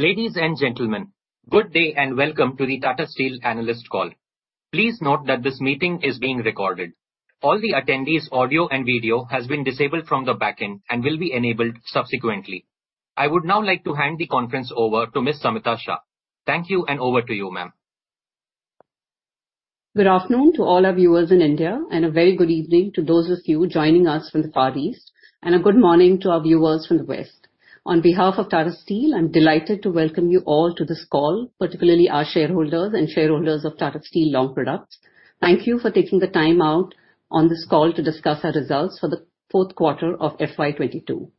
Ladies and gentlemen, good day and welcome to the Tata Steel analyst call. Please note that this meeting is being recorded. All the attendees' audio and video has been disabled from the back end and will be enabled subsequently. I would now like to hand the conference over to Ms. Samita Shah. Thank you, and over to you, ma'am. Good afternoon to all our viewers in India and a very good evening to those of you joining us from the Far East, and a good morning to our viewers from the West. On behalf of Tata Steel, I'm delighted to welcome you all to this call, particularly our shareholders and shareholders of Tata Steel Long Products. Thank you for taking the time out on this call to discuss our results for the fourth quarter of FY 2022.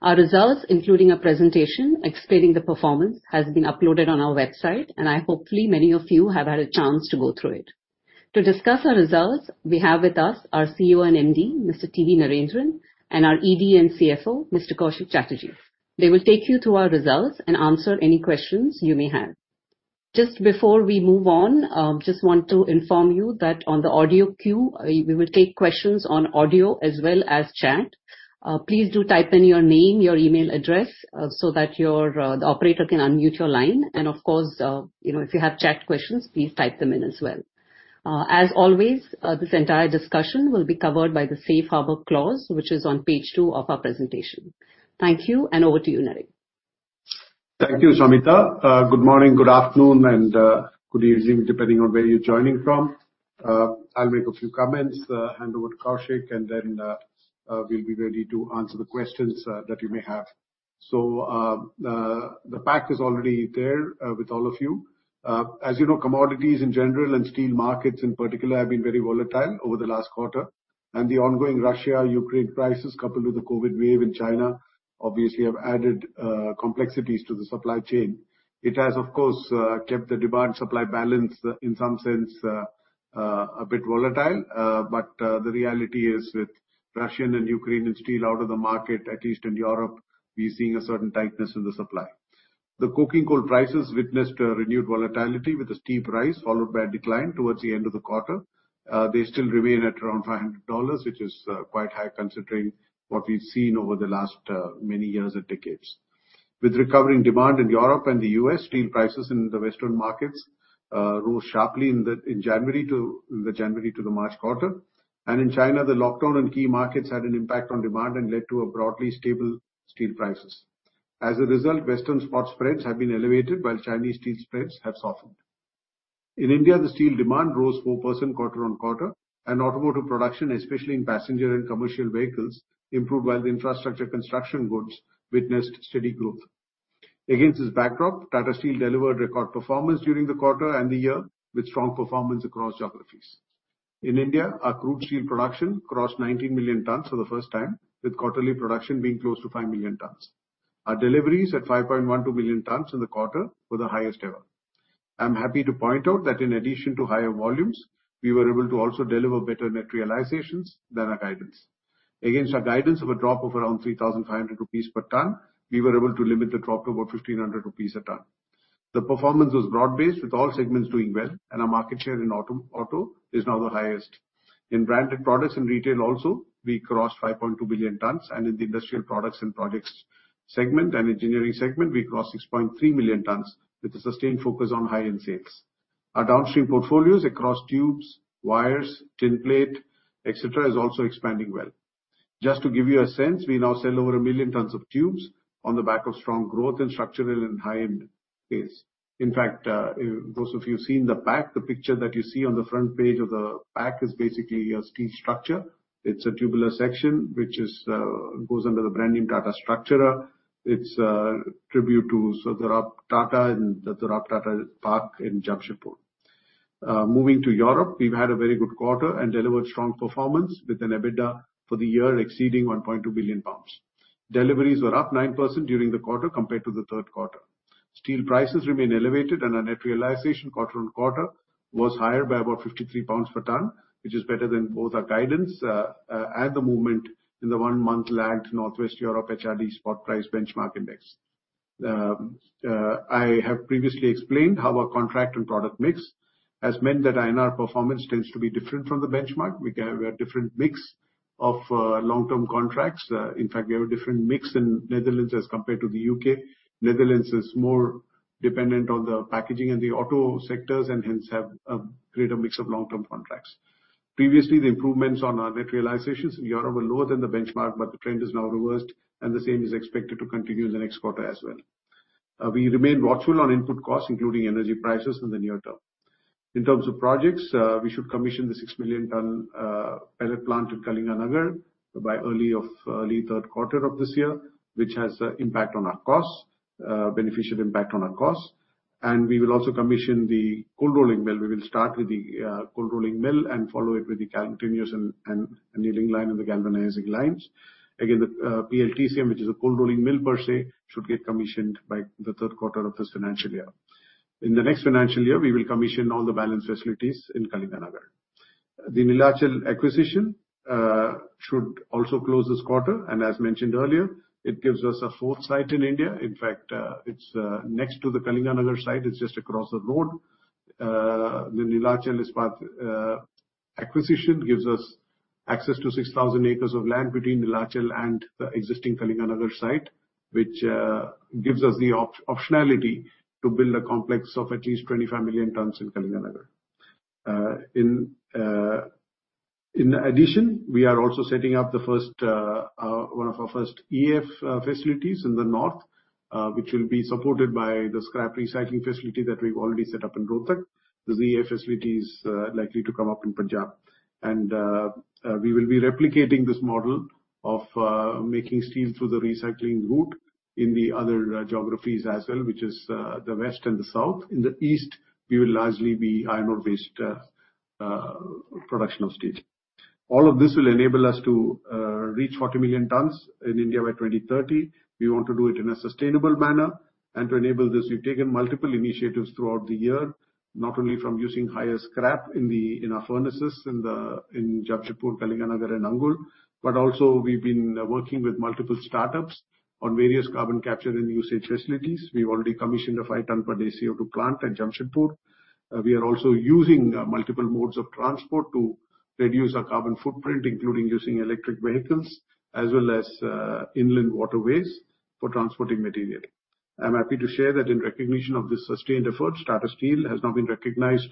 Our results, including a presentation explaining the performance, has been uploaded on our website, and hopefully many of you have had a chance to go through it. To discuss our results, we have with us our CEO and MD, Mr. T.V. Narendran, and our ED and CFO, Mr. Koushik Chatterjee. They will take you through our results and answer any questions you may have. Just before we move on, just want to inform you that on the audio queue we will take questions on audio as well as chat. Please do type in your name, your email address, so that the operator can unmute your line. Of course, you know, if you have chat questions, please type them in as well. As always, this entire discussion will be covered by the safe harbor clause, which is on page two of our presentation. Thank you, and over to you, Narendran. Thank you, Samita. Good morning, good afternoon, and good evening, depending on where you're joining from. I'll make a few comments, hand over to Kaushik, and then we'll be ready to answer the questions that you may have. The pack is already there with all of you. As you know, commodities in general and steel markets in particular have been very volatile over the last quarter. The ongoing Russia-Ukraine crisis, coupled with the COVID wave in China, obviously have added complexities to the supply chain. It has, of course, kept the demand-supply balance in some sense a bit volatile. The reality is, with Russian and Ukrainian steel out of the market, in Eastern Europe we're seeing a certain tightness in the supply. The coking coal prices witnessed a renewed volatility with a steep rise, followed by a decline towards the end of the quarter. They still remain at around $500, which is quite high considering what we've seen over the last many years and decades. With recovering demand in Europe and the U.S., steel prices in the Western markets rose sharply in the January to March quarter. In China, the lockdown in key markets had an impact on demand and led to a broadly stable steel prices. As a result, Western spot spreads have been elevated while Chinese steel spreads have softened. In India, the steel demand rose 4% quarter-on-quarter, and automotive production, especially in passenger and commercial vehicles, improved while the infrastructure construction goods witnessed steady growth. Against this backdrop, Tata Steel delivered record performance during the quarter and the year, with strong performance across geographies. In India, our crude steel production crossed 19 million tons for the first time, with quarterly production being close to 5 million tons. Our deliveries at 5.12 million tons in the quarter were the highest ever. I'm happy to point out that in addition to higher volumes, we were able to also deliver better net realizations than our guidance. Against our guidance of a drop of around 3,500 rupees per ton, we were able to limit the drop to about 1,500 rupees a ton. The performance was broad-based, with all segments doing well, and our market share in auto is now the highest. In branded products in retail also, we crossed 5.2 million tons. In the industrial products and products segment and engineering segment, we crossed 6.3 million tons, with a sustained focus on high-end sales. Our downstream portfolios across tubes, wires, tinplate, etc, is also expanding well. Just to give you a sense, we now sell over 1 million tons of tubes on the back of strong growth and structural and high-end base. In fact, those of you who've seen the pack, the picture that you see on the front page of the pack is basically a steel structure. It's a tubular section which goes under the brand name Tata Structura. It's a tribute to JRD Tata in the JRD Tata Park in Jamshedpur. Moving to Europe, we've had a very good quarter and delivered strong performance, with an EBITDA for the year exceeding 1.2 billion pounds. Deliveries were up 9% during the quarter compared to the third quarter. Steel prices remain elevated, and our net realization quarter on quarter was higher by about 53 pounds per ton, which is better than both our guidance and the movement in the one month lagged Northwest Europe HRC spot price benchmark index. I have previously explained how our contract and product mix has meant that NR performance tends to be different from the benchmark. We have a different mix of long-term contracts. In fact, we have a different mix in Netherlands as compared to the U.K. Netherlands is more dependent on the packaging and the auto sectors and hence have a greater mix of long-term contracts. Previously, the improvements on our net realizations in Europe were lower than the benchmark, but the trend is now reversed, and the same is expected to continue in the next quarter as well. We remain watchful on input costs, including energy prices in the near term. In terms of projects, we should commission the 6 million ton pellet plant in Kalinganagar by early third quarter of this year, which has an impact on our costs, beneficial impact on our costs. We will also commission the cold rolling mill. We will start with the cold rolling mill and follow it with the continuous and annealing line and the galvanizing lines. Again, the PLTCM, which is a cold rolling mill per se, should get commissioned by the third quarter of this financial year. In the next financial year, we will commission all the balance facilities in Kalinganagar. The Neelachal acquisition should also close this quarter. As mentioned earlier, it gives us a fourth site in India. In fact, it's next to the Kalinganagar site. It's just across the road. The Neelachal Ispat acquisition gives us access to 6,000 acres of land between Neelachal and the existing Kalinganagar site, which gives us the optionality to build a complex of at least 25 million tons in Kalinganagar. In addition, we are also setting up one of our first EAF facilities in the north, which will be supported by the scrap recycling facility that we've already set up in Rourkela. The EAF facility is likely to come up in Punjab. We will be replicating this model of making steel through the recycling route in the other geographies as well, which is the west and the south. In the east, we will largely be iron ore-based production of steel. All of this will enable us to reach 40 million tons in India by 2030. We want to do it in a sustainable manner. To enable this, we've taken multiple initiatives throughout the year, not only from using higher scrap in our furnaces in Jamshedpur, Kalinganagar and Angul, but also we've been working with multiple startups on various carbon capture and usage facilities. We've already commissioned a 5-ton-per-day CO2 plant at Jamshedpur. We are also using multiple modes of transport to reduce our carbon footprint, including using electric vehicles as well as inland waterways for transporting material. I'm happy to share that in recognition of this sustained effort, Tata Steel has now been recognized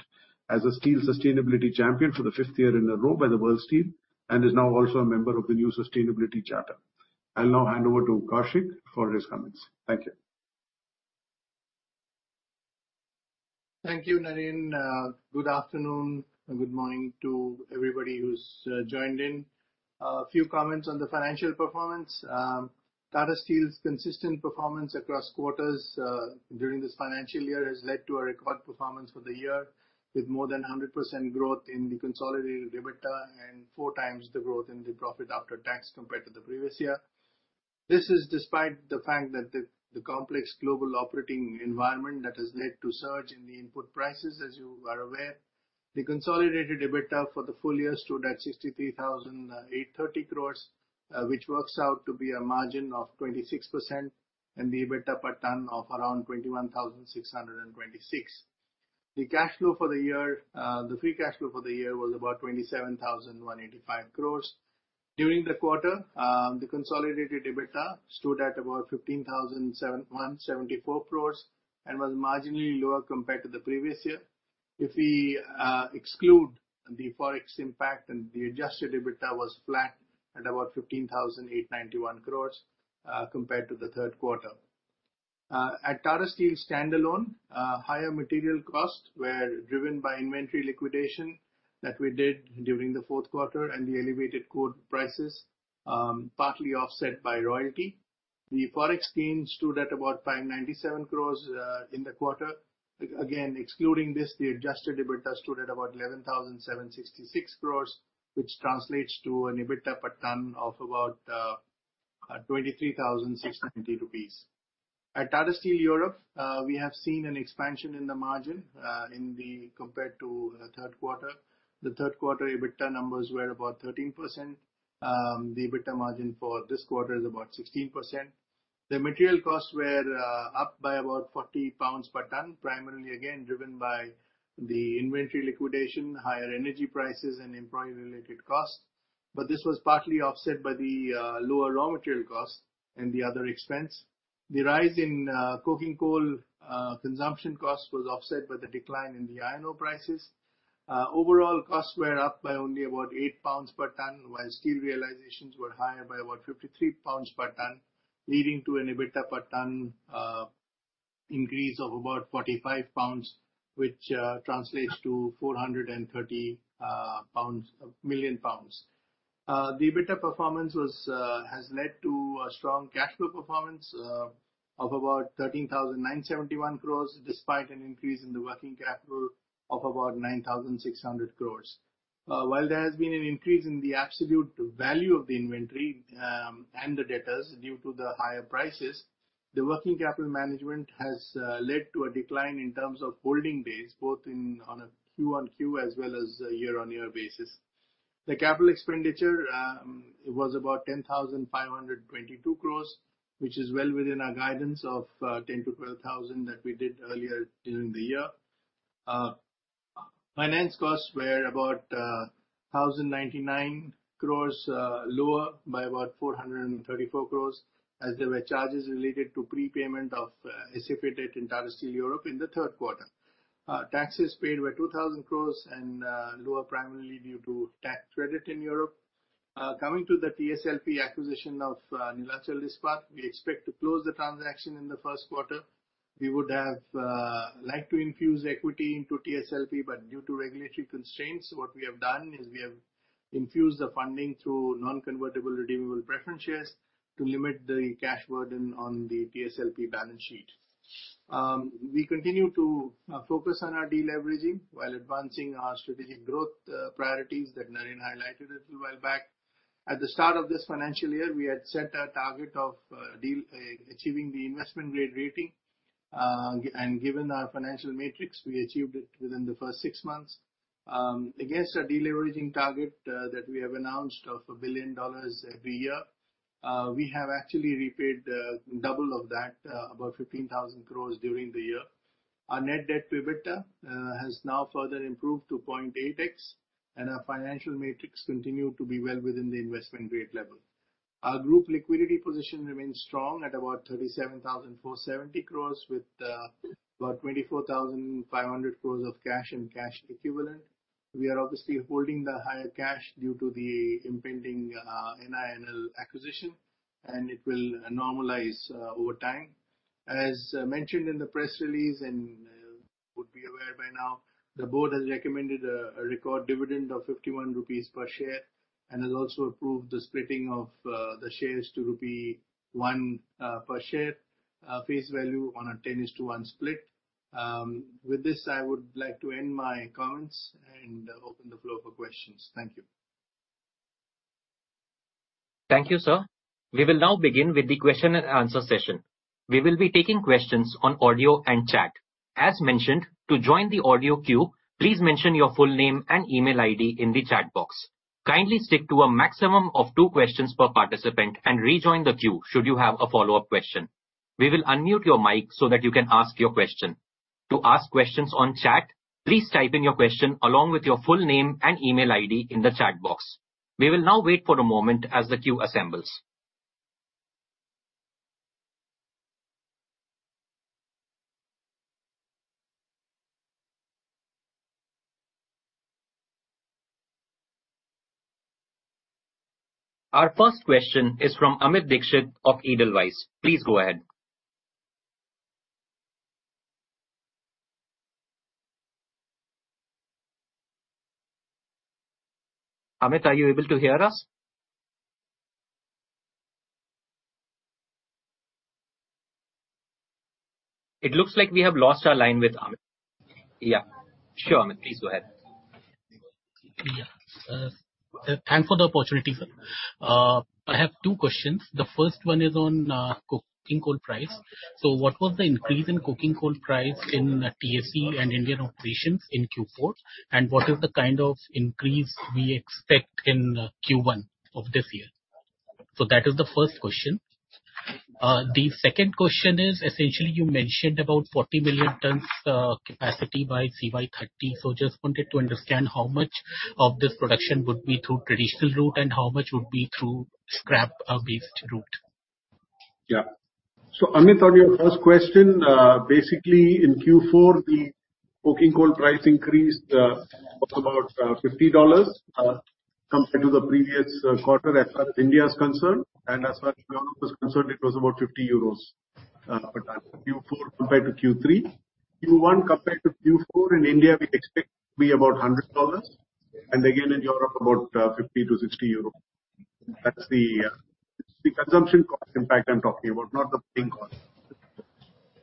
as a steel sustainability champion for the fifth year in a row by the worldsteel, and is now also a member of the new sustainability charter. I'll now hand over to Koushik for his comments. Thank you. Thank you, Naren. Good afternoon and good morning to everybody who's joined in. A few comments on the financial performance. Tata Steel's consistent performance across quarters during this financial year has led to a record performance for the year, with more than 100% growth in the consolidated EBITDA and four times the growth in the profit after tax compared to the previous year. This is despite the fact that the complex global operating environment that has led to surge in the input prices, as you are aware. The consolidated EBITDA for the full year stood at 63,830 crore, which works out to be a margin of 26% and the EBITDA per ton of around 21,626. The cash flow for the year, the free cash flow for the year was about 27,185 crores. During the quarter, the consolidated EBITDA stood at about 15,774 crores and was marginally lower compared to the previous year. If we exclude the Forex impact and the Adjusted EBITDA was flat at about 15,891 crores, compared to the third quarter. At Tata Steel standalone, higher material costs were driven by inventory liquidation that we did during the fourth quarter and the elevated coal prices, partly offset by royalty. The Forex gains stood at about 597 crores, in the quarter. Again, excluding this, the Adjusted EBITDA stood at about 11,766 crores, which translates to an EBITDA per ton of about 23,670 rupees. At Tata Steel Europe, we have seen an expansion in the margin compared to the third quarter. The third quarter EBITDA numbers were about 13%. The EBITDA margin for this quarter is about 16%. The material costs were up by about 40 pounds per ton, primarily again driven by the inventory liquidation, higher energy prices and employee related costs. This was partly offset by the lower raw material costs and the other expense. The rise in coking coal consumption costs was offset by the decline in the iron ore prices. Overall costs were up by only about 8 pounds per ton, while steel realizations were higher by about 53 pounds per ton, leading to an EBITDA per ton increase of about 45 pounds, which translates to 430 million pounds. The EBITDA performance has led to a strong cash flow performance of about 13,971 crores, despite an increase in the working capital of about 9,600 crores. While there has been an increase in the absolute value of the inventory and the debtors due to the higher prices, the working capital management has led to a decline in terms of holding base, both on a quarter-on-quarter as well as a year-on-year basis. The capital expenditure was about 10,522 crores, which is well within our guidance of 10,000-12,000 that we did earlier during the year. Finance costs were about 1,099 crores, lower by about 434 crores, as there were charges related to prepayment of ACIP debt in Tata Steel Europe in the third quarter. Taxes paid were 2,000 crores, lower primarily due to tax credit in Europe. Coming to the TSLP acquisition of Neelachal Ispat, we expect to close the transaction in the first quarter. We would have liked to infuse equity into TSLP, but due to regulatory constraints, what we have done is we have infused the funding through non-convertible redeemable preference shares to limit the cash burden on the TSLP balance sheet. We continue to focus on our deleveraging while advancing our strategic growth priorities that Naren highlighted a little while back. At the start of this financial year, we had set a target of achieving the investment grade rating. Given our financial metrics, we achieved it within the first six months. Against our deleveraging target that we have announced of $1 billion every year, we have actually repaid double of that, about 15,000 crore during the year. Our net debt PBITDA has now further improved to 0.8x, and our financial metrics continue to be well within the investment grade level. Our group liquidity position remains strong at about 37,470 crores with about 24,500 crores of cash and cash equivalent. We are obviously holding the higher cash due to the impending NINL acquisition, and it will normalize over time. As mentioned in the press release and would be aware by now, the board has recommended a record dividend of 51 rupees per share and has also approved the splitting of the shares to rupee one per share face value on a 10:1 split. With this, I would like to end my comments and open the floor for questions. Thank you. Thank you, sir. We will now begin with the question and answer session. We will be taking questions on audio and chat. As mentioned, to join the audio queue, please mention your full name and email ID in the chat box. Kindly stick to a maximum of two questions per participant and rejoin the queue should you have a follow-up question. We will unmute your mic so that you can ask your question. To ask questions on chat, please type in your question along with your full name and email ID in the chat box. We will now wait for a moment as the queue assembles. Our first question is from Amit Dixit of Edelweiss. Please go ahead. Amit, are you able to hear us? It looks like we have lost our line with Amit. Yeah. Sure, Amit. Please go ahead. Yeah. Thanks for the opportunity, sir. I have two questions. The first one is on coking coal price. What was the increase in coking coal price in TSE and Indian operations in Q4? And what is the kind of increase we expect in Q1 of this year? That is the first question. The second question is essentially you mentioned about 40 million tons capacity by CY 2030. Just wanted to understand how much of this production would be through traditional route and how much would be through scrap-based route. Amit, on your first question, basically in Q4 the coking coal price increased of about $50 compared to the previous quarter as far as India is concerned, and as far as Europe is concerned, it was about 50 euros, but Q4 compared to Q3. Q1 compared to Q4 in India we expect to be about $100. Again, in Europe, about 50 to 60 euro. That's the consumption cost impact I'm talking about, not the paying cost.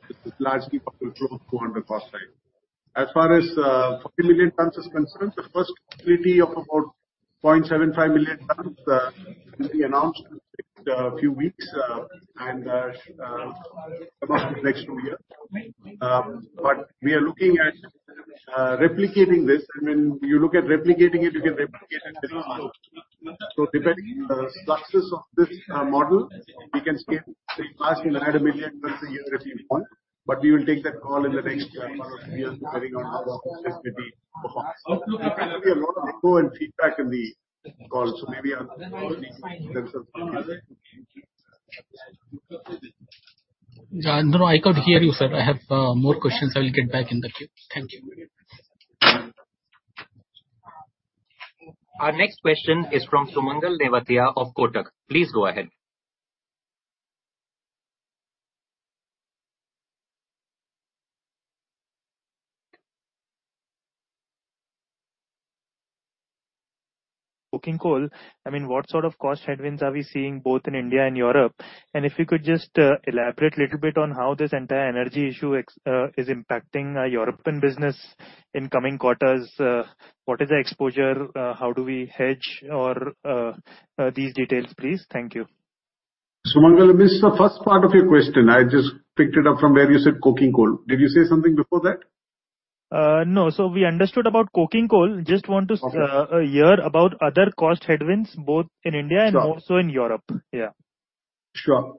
This is largely controlled coal cost item. As far as 40 million tons is concerned, the first capacity of about 0.75 million tons will be announced in a few weeks, and announced next two year. We are looking at replicating this. I mean, you look at replicating it, you can replicate it at different scopes. Depending on the success of this model, we can scale it. Say perhaps we'll add 1 million tons a year if we want. We will take that call in the next one or two years depending on how the capacity performs. I know there will be a lot of echo and feedback in the call, so maybe. Yeah, no, I could hear you, sir. I have more questions. I will get back in the queue. Thank you. Our next question is from Sumangal Nevatia of Kotak. Please go ahead. Coking coal, I mean, what sort of cost headwinds are we seeing both in India and Europe? If you could just elaborate a little bit on how this entire energy issue is impacting our European business in coming quarters. What is the exposure? How do we hedge or these details, please? Thank you. Sumangal, I missed the first part of your question. I just picked it up from where you said coking coal. Did you say something before that? No. We understood about coking coal. Okay. hear about other cost headwinds, both in India. Sure. Also in Europe. Yeah. Sure.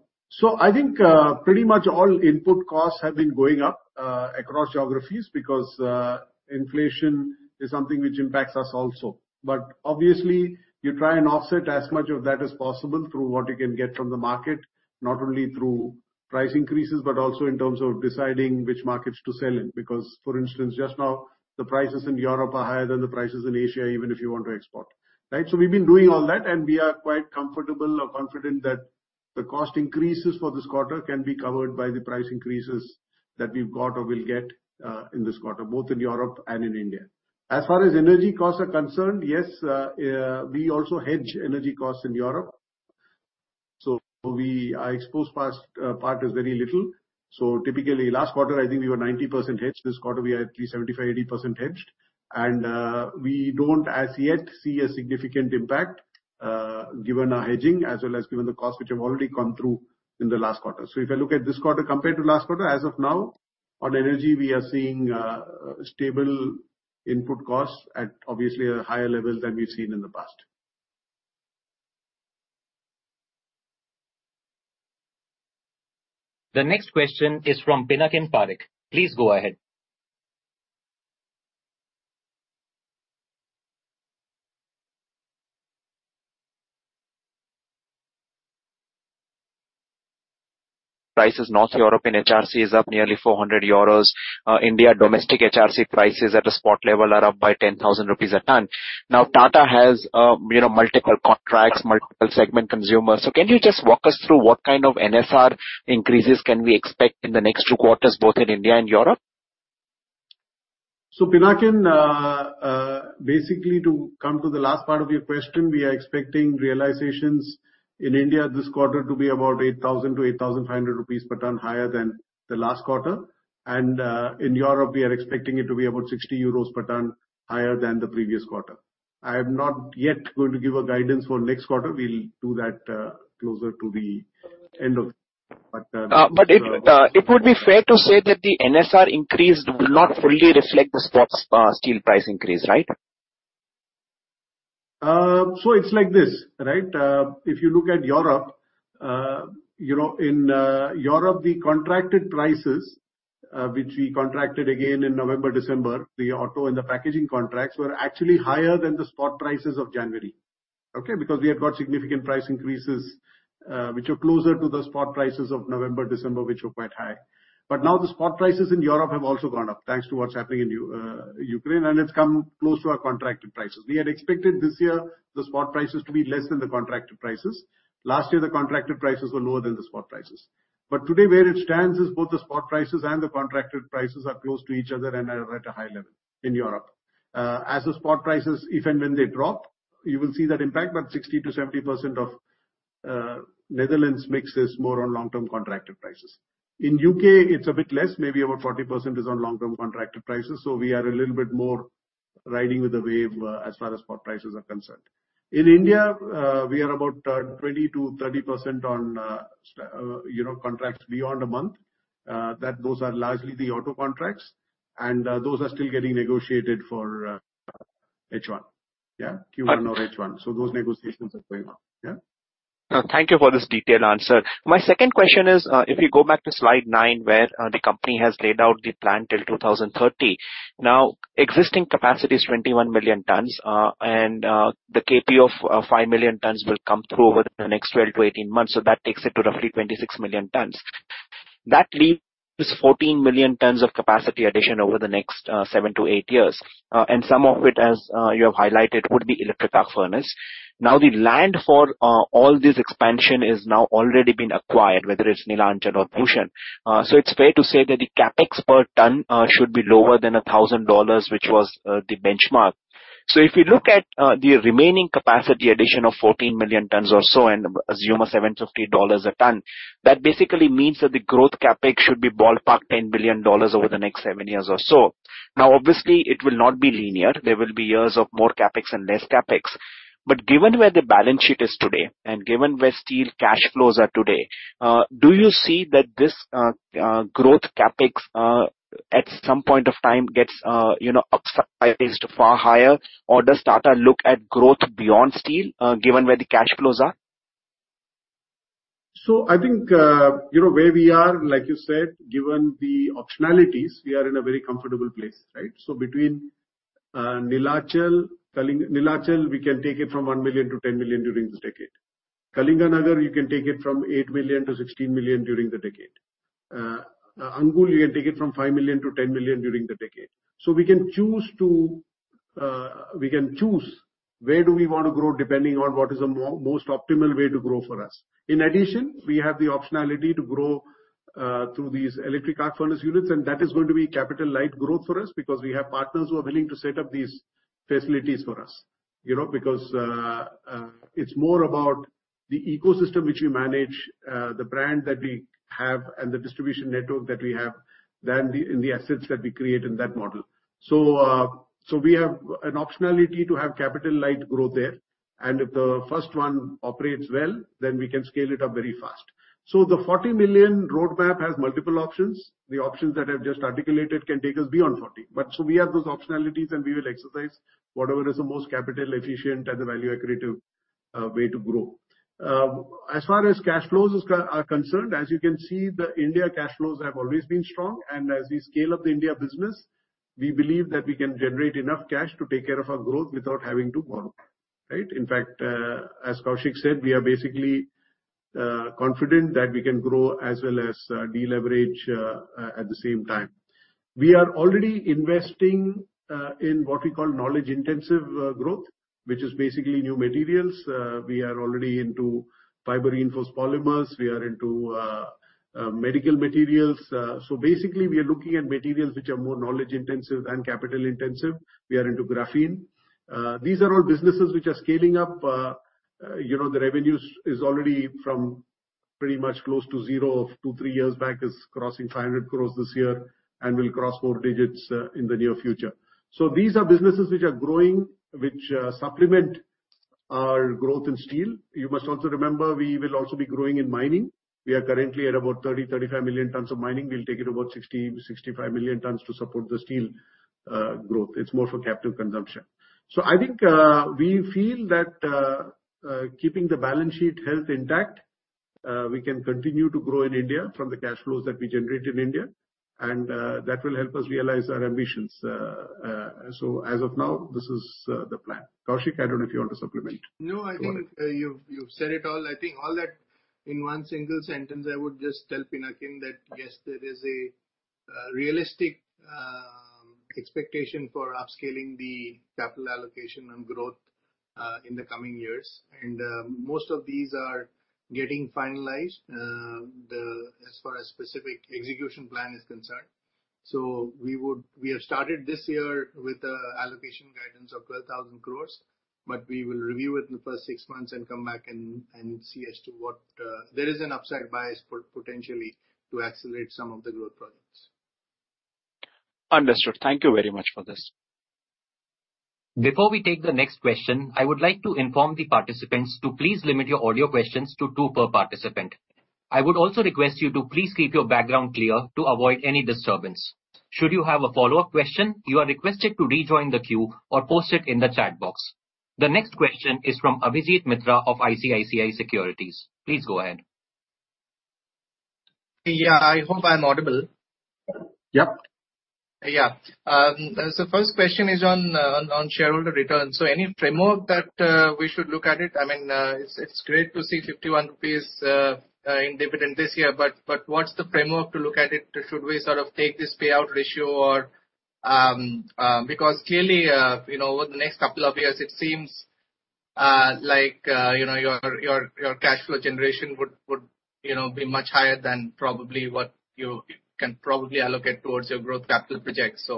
I think pretty much all input costs have been going up across geographies because inflation is something which impacts us also. Obviously you try and offset as much of that as possible through what you can get from the market, not only through price increases, but also in terms of deciding which markets to sell in. For instance, just now the prices in Europe are higher than the prices in Asia, even if you want to export, right? We've been doing all that, and we are quite comfortable or confident that the cost increases for this quarter can be covered by the price increases that we've got or will get in this quarter, both in Europe and in India. As far as energy costs are concerned, yes, we also hedge energy costs in Europe. We, our exposed cost part is very little. Typically last quarter, I think we were 90% hedged. This quarter we are at least 75%-80% hedged. We don't as yet see a significant impact given our hedging as well as given the costs which have already come through in the last quarter. If you look at this quarter compared to last quarter, as of now, on energy, we are seeing stable input costs at obviously a higher level than we've seen in the past. The next question is from Pinakin Parekh. Please go ahead. Prices. North European HRC is up nearly 400 euros. India domestic HRC prices at a spot level are up by 10,000 rupees a ton. Now, Tata has, you know, multiple contracts, multiple segment consumers. Can you just walk us through what kind of NFR increases can we expect in the next two quarters, both in India and Europe? Pinakin, basically, to come to the last part of your question, we are expecting realizations in India this quarter to be about 8,000-8,500 rupees per ton higher than the last quarter. In Europe, we are expecting it to be about 60 euros per ton higher than the previous quarter. I am not yet going to give a guidance for next quarter. We'll do that closer to the end. It would be fair to say that the NFR increase will not fully reflect the spot steel price increase, right? It's like this, right? If you look at Europe, you know, in Europe, the contracted prices, which we contracted again in November, December, the auto and the packaging contracts were actually higher than the spot prices of January, okay? Because we have got significant price increases, which are closer to the spot prices of November, December, which were quite high. Now the spot prices in Europe have also gone up, thanks to what's happening in Ukraine, and it's come close to our contracted prices. We had expected this year the spot prices to be less than the contracted prices. Last year, the contracted prices were lower than the spot prices. Today, where it stands is both the spot prices and the contracted prices are close to each other and are at a high level in Europe. As the spot prices, if and when they drop, you will see that impact. 60%-70% of Netherlands mix is more on long-term contracted prices. In U.K., it's a bit less. Maybe about 40% is on long-term contracted prices. We are a little bit more riding with the wave, as far as spot prices are concerned. In India, we are about 20%-30% on, you know, contracts beyond a month, those are largely the auto contracts. Those are still getting negotiated for H1. Yeah, Q1 or H1. Those negotiations are going on. Yeah. Thank you for this detailed answer. My second question is, if you go back to slide nine, where the company has laid out the plan till 2030. Now, existing capacity is 21 million tons. The KP of 5 million tons will come through over the next 12-18 months. That takes it to roughly 26 million tons. That leaves 14 million tons of capacity addition over the next seven to eight years. Some of it, as you have highlighted, would be electric arc furnace. Now, the land for all this expansion is now already been acquired, whether it's Neelachal or Bhushan. It's fair to say that the CapEx per ton should be lower than $1,000, which was the benchmark. If you look at the remaining capacity addition of 14 million tons or so and assume a $750 a ton, that basically means that the growth CapEx should be ballparked $10 billion over the next seven years or so. Now, obviously, it will not be linear. There will be years of more CapEx and less CapEx. Given where the balance sheet is today and given where steel cash flows are today, do you see that this growth CapEx at some point of time gets, you know, upsized far higher? Does Tata look at growth beyond steel, given where the cash flows are? I think, you know where we are, like you said, given the optionalities, we are in a very comfortable place, right? Between Neelachal, Kalinganagar, we can take it from 1 million-10 million during this decade. Kalinganagar, we can take it from 8 million-16 million during the decade. Angul, we can take it from 5 million-10 million during the decade. We can choose where do we wanna grow depending on what is the most optimal way to grow for us. In addition, we have the optionality to grow through these electric arc furnace units, and that is going to be capital-light growth for us because we have partners who are willing to set up these facilities for us. You know, because it's more about the ecosystem which we manage, the brand that we have and the distribution network that we have than the assets that we create in that model. We have an optionality to have capital-light growth there. If the first one operates well, then we can scale it up very fast. The 40 million roadmap has multiple options. The options that I've just articulated can take us beyond 40. We have those optionalities, and we will exercise whatever is the most capital efficient and the value-accretive way to grow. As far as cash flows are concerned, as you can see, the India cash flows have always been strong. As we scale up the India business, we believe that we can generate enough cash to take care of our growth without having to borrow, right? In fact, as Koushik said, we are basically confident that we can grow as well as deleverage at the same time. We are already investing in what we call knowledge-intensive growth, which is basically new materials. We are already into Fibre Reinforced Polymer. We are into medical materials. So basically, we are looking at materials which are more knowledge-intensive and capital-intensive. We are into graphene. These are all businesses which are scaling up. You know, the revenues is already from pretty much close to zero two, three years back is crossing 500 crore this year and will cross four digits in the near future. These are businesses which are growing, which supplement our growth in steel. You must also remember, we will also be growing in mining. We are currently at about 35 million tons of mining. We'll take it about 65 million tons to support the steel growth. It's more for captive consumption. I think we feel that keeping the balance sheet health intact, we can continue to grow in India from the cash flows that we generate in India, and that will help us realize our ambitions. As of now, this is the plan. Koushik, I don't know if you want to supplement. No, I think you've said it all. I think all that in one single sentence, I would just tell Pinakin that, yes, there is a realistic expectation for upscaling the capital allocation on growth in the coming years. Most of these are getting finalized. As far as specific execution plan is concerned. We have started this year with the allocation guidance of 12,000 crore, but we will review it in the first six months and come back and see as to what. There is an upside bias potentially to accelerate some of the growth projects. Understood. Thank you very much for this. Before we take the next question, I would like to inform the participants to please limit your audio questions to two per participant. I would also request you to please keep your background clear to avoid any disturbance. Should you have a follow-up question, you are requested to rejoin the queue or post it in the chat box. The next question is from Abhijit Mitra of ICICI Securities. Please go ahead. Yeah. I hope I'm audible. Yeah. Yeah. First question is on shareholder returns. Any framework that we should look at it? I mean, it's great to see 51 rupees in dividend this year, but what's the framework to look at it? Should we sort of take this payout ratio or because clearly, you know, over the next couple of years it seems like you know, your cash flow generation would you know, be much higher than probably what you can probably allocate towards your growth capital projects.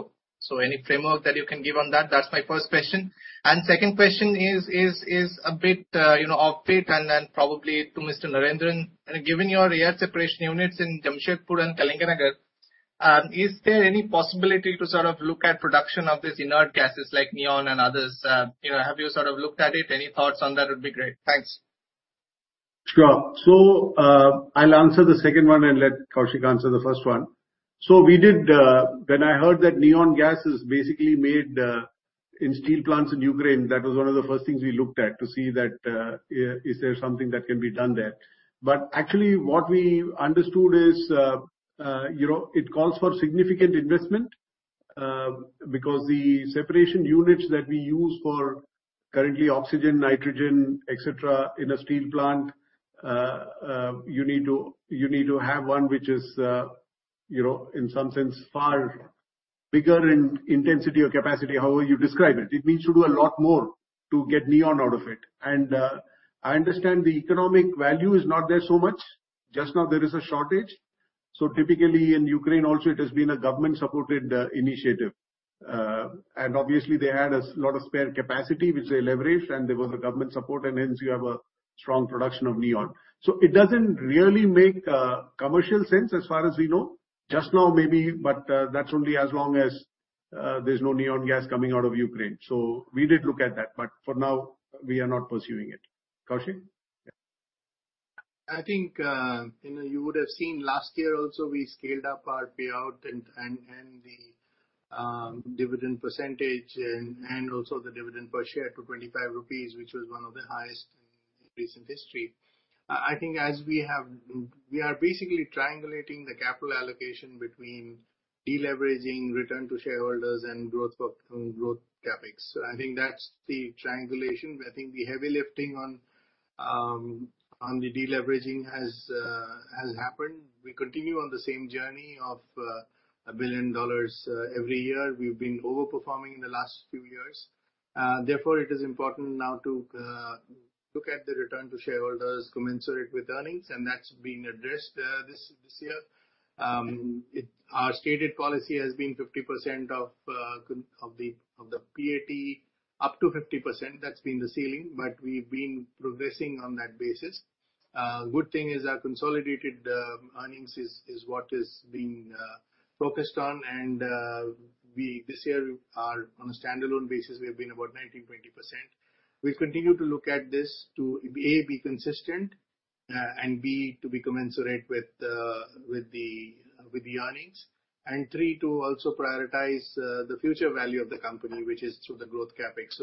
Any framework that you can give on that? That's my first question. Second question is a bit you know, offbeat and probably to Mr. Narendran. Given your air separation units in Jamshedpur and Kalinganagar, is there any possibility to sort of look at production of these inert gases like neon and others? You know, have you sort of looked at it? Any thoughts on that would be great. Thanks. Sure. I'll answer the second one and let Koushik answer the first one. We did, when I heard that neon gas is basically made in steel plants in Ukraine, that was one of the first things we looked at to see if there is something that can be done there. But actually what we understood is, you know, it calls for significant investment because the separation units that we use currently for oxygen, nitrogen, etc, in a steel plant, you need to have one which is, you know, in some sense far bigger in intensity or capacity, however you describe it. It needs to do a lot more to get neon out of it. I understand the economic value is not there so much, just now there is a shortage. Typically in Ukraine also it has been a government-supported initiative. Obviously they had a lot of spare capacity which they leveraged, and there was a government support and hence you have a strong production of neon. It doesn't really make commercial sense as far as we know. Just now maybe, but that's only as long as there's no neon gas coming out of Ukraine. We did look at that, but for now we are not pursuing it. Koushik? I think, you know, you would have seen last year also we scaled up our payout and the dividend percentage and also the dividend per share to 25 rupees, which was one of the highest in recent history. I think we are basically triangulating the capital allocation between deleveraging, return to shareholders and growth for growth CapEx. I think that's the triangulation. I think the heavy lifting on the deleveraging has happened. We continue on the same journey of $1 billion every year. We've been overperforming in the last few years. Therefore it is important now to look at the return to shareholders commensurate with earnings, and that's being addressed this year. Our stated policy has been 50% of the PAT, up to 50%, that's been the ceiling, but we've been progressing on that basis. Good thing is our consolidated earnings is what is being focused on. This year we are on a standalone basis, we have been about 19%-20%. We continue to look at this to A, be consistent, and B, to be commensurate with the earnings. Three, to also prioritize the future value of the company, which is through the growth CapEx.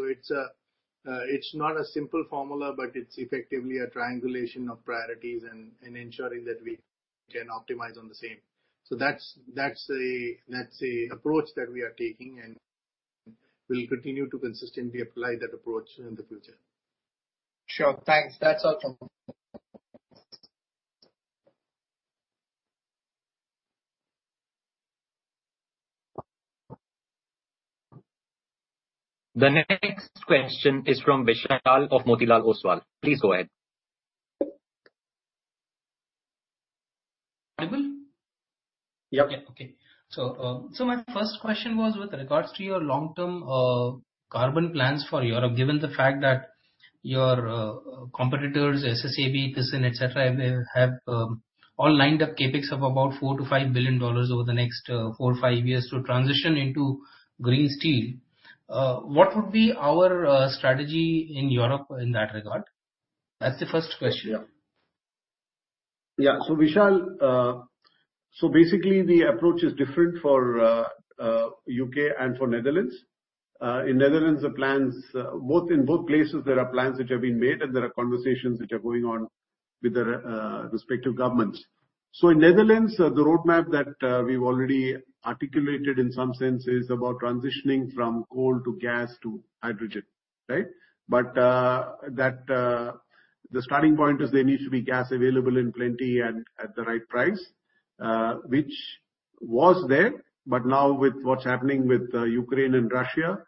It's not a simple formula, but it's effectively a triangulation of priorities and ensuring that we can optimize on the same. That's a approach that we are taking and we'll continue to consistently apply that approach in the future. Sure. Thanks. That's all from me. The next question is from Vishal of Motilal Oswal. Please go ahead. I will. Yeah. My first question was with regards to your long-term carbon plans for Europe. Given the fact that your competitors, SSAB, Thyssenkrupp, etc, have all lined up CapEx of about $4-$5 billion over the next four, five years to transition into green steel. What would be our strategy in Europe in that regard? That's the first question. Vishal, basically, the approach is different for U.K. and for Netherlands. In Netherlands, in both places there are plans which have been made, and there are conversations which are going on with their respective governments. In Netherlands, the roadmap that we've already articulated in some sense is about transitioning from coal to gas to hydrogen, right? That the starting point is there needs to be gas available in plenty and at the right price, which was there. Now with what's happening with Ukraine and Russia,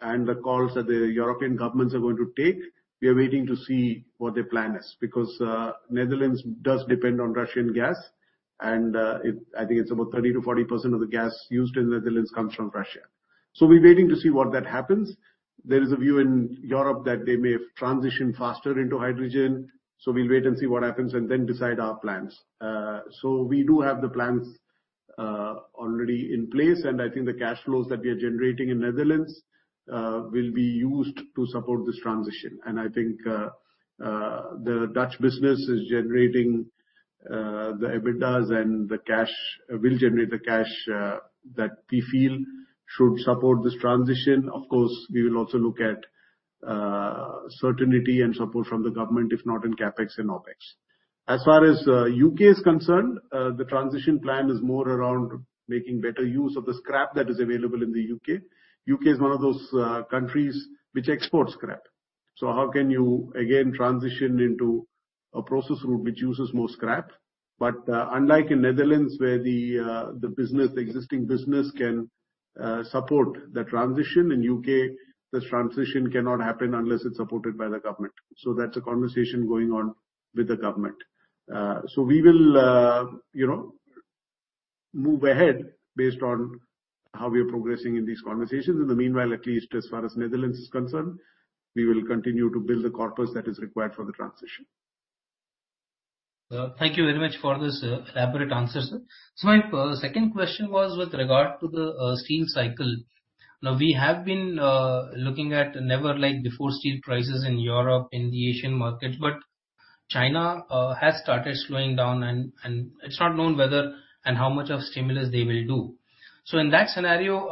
and the calls that the European governments are going to take, we are waiting to see what their plan is. Because Netherlands does depend on Russian gas and I think it's about 30%-40% of the gas used in Netherlands comes from Russia. We're waiting to see what happens. There is a view in Europe that they may transition faster into hydrogen. We'll wait and see what happens and then decide our plans. We do have the plans already in place, and I think the cash flows that we are generating in Netherlands will be used to support this transition. I think the Dutch business is generating the EBITDAs and the cash will generate the cash that we feel should support this transition. Of course, we will also look at certainty and support from the government, if not in CapEx and OpEx. As far as U.K. is concerned, the transition plan is more around making better use of the scrap that is available in the U.K. U.K. is one of those countries which exports scrap. How can you again transition into a process route which uses more scrap? Unlike in the Netherlands, where the business, the existing business can support the transition, in U.K., this transition cannot happen unless it's supported by the government. That's a conversation going on with the government. We will, you know, move ahead based on how we are progressing in these conversations. In the meanwhile, at least as far as the Netherlands is concerned, we will continue to build the corpus that is required for the transition. Thank you very much for this elaborate answer, sir. My second question was with regard to the steel cycle. Now, we have been looking at never like before steel prices in Europe, in the Asian market, but China has started slowing down and it's not known whether and how much of stimulus they will do. In that scenario,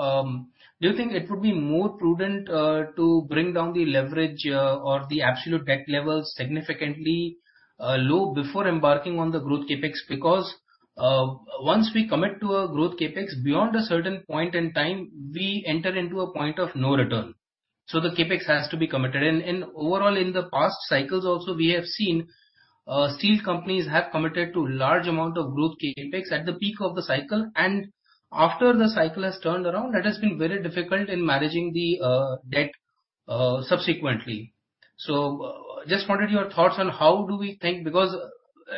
do you think it would be more prudent to bring down the leverage or the absolute debt levels significantly low before embarking on the growth CapEx? Because once we commit to a growth CapEx beyond a certain point in time, we enter into a point of no return. The CapEx has to be committed. Overall, in the past cycles also, we have seen steel companies have committed to large amount of growth CapEx at the peak of the cycle. After the cycle has turned around, it has been very difficult in managing the debt subsequently. Just wanted your thoughts on how do we think because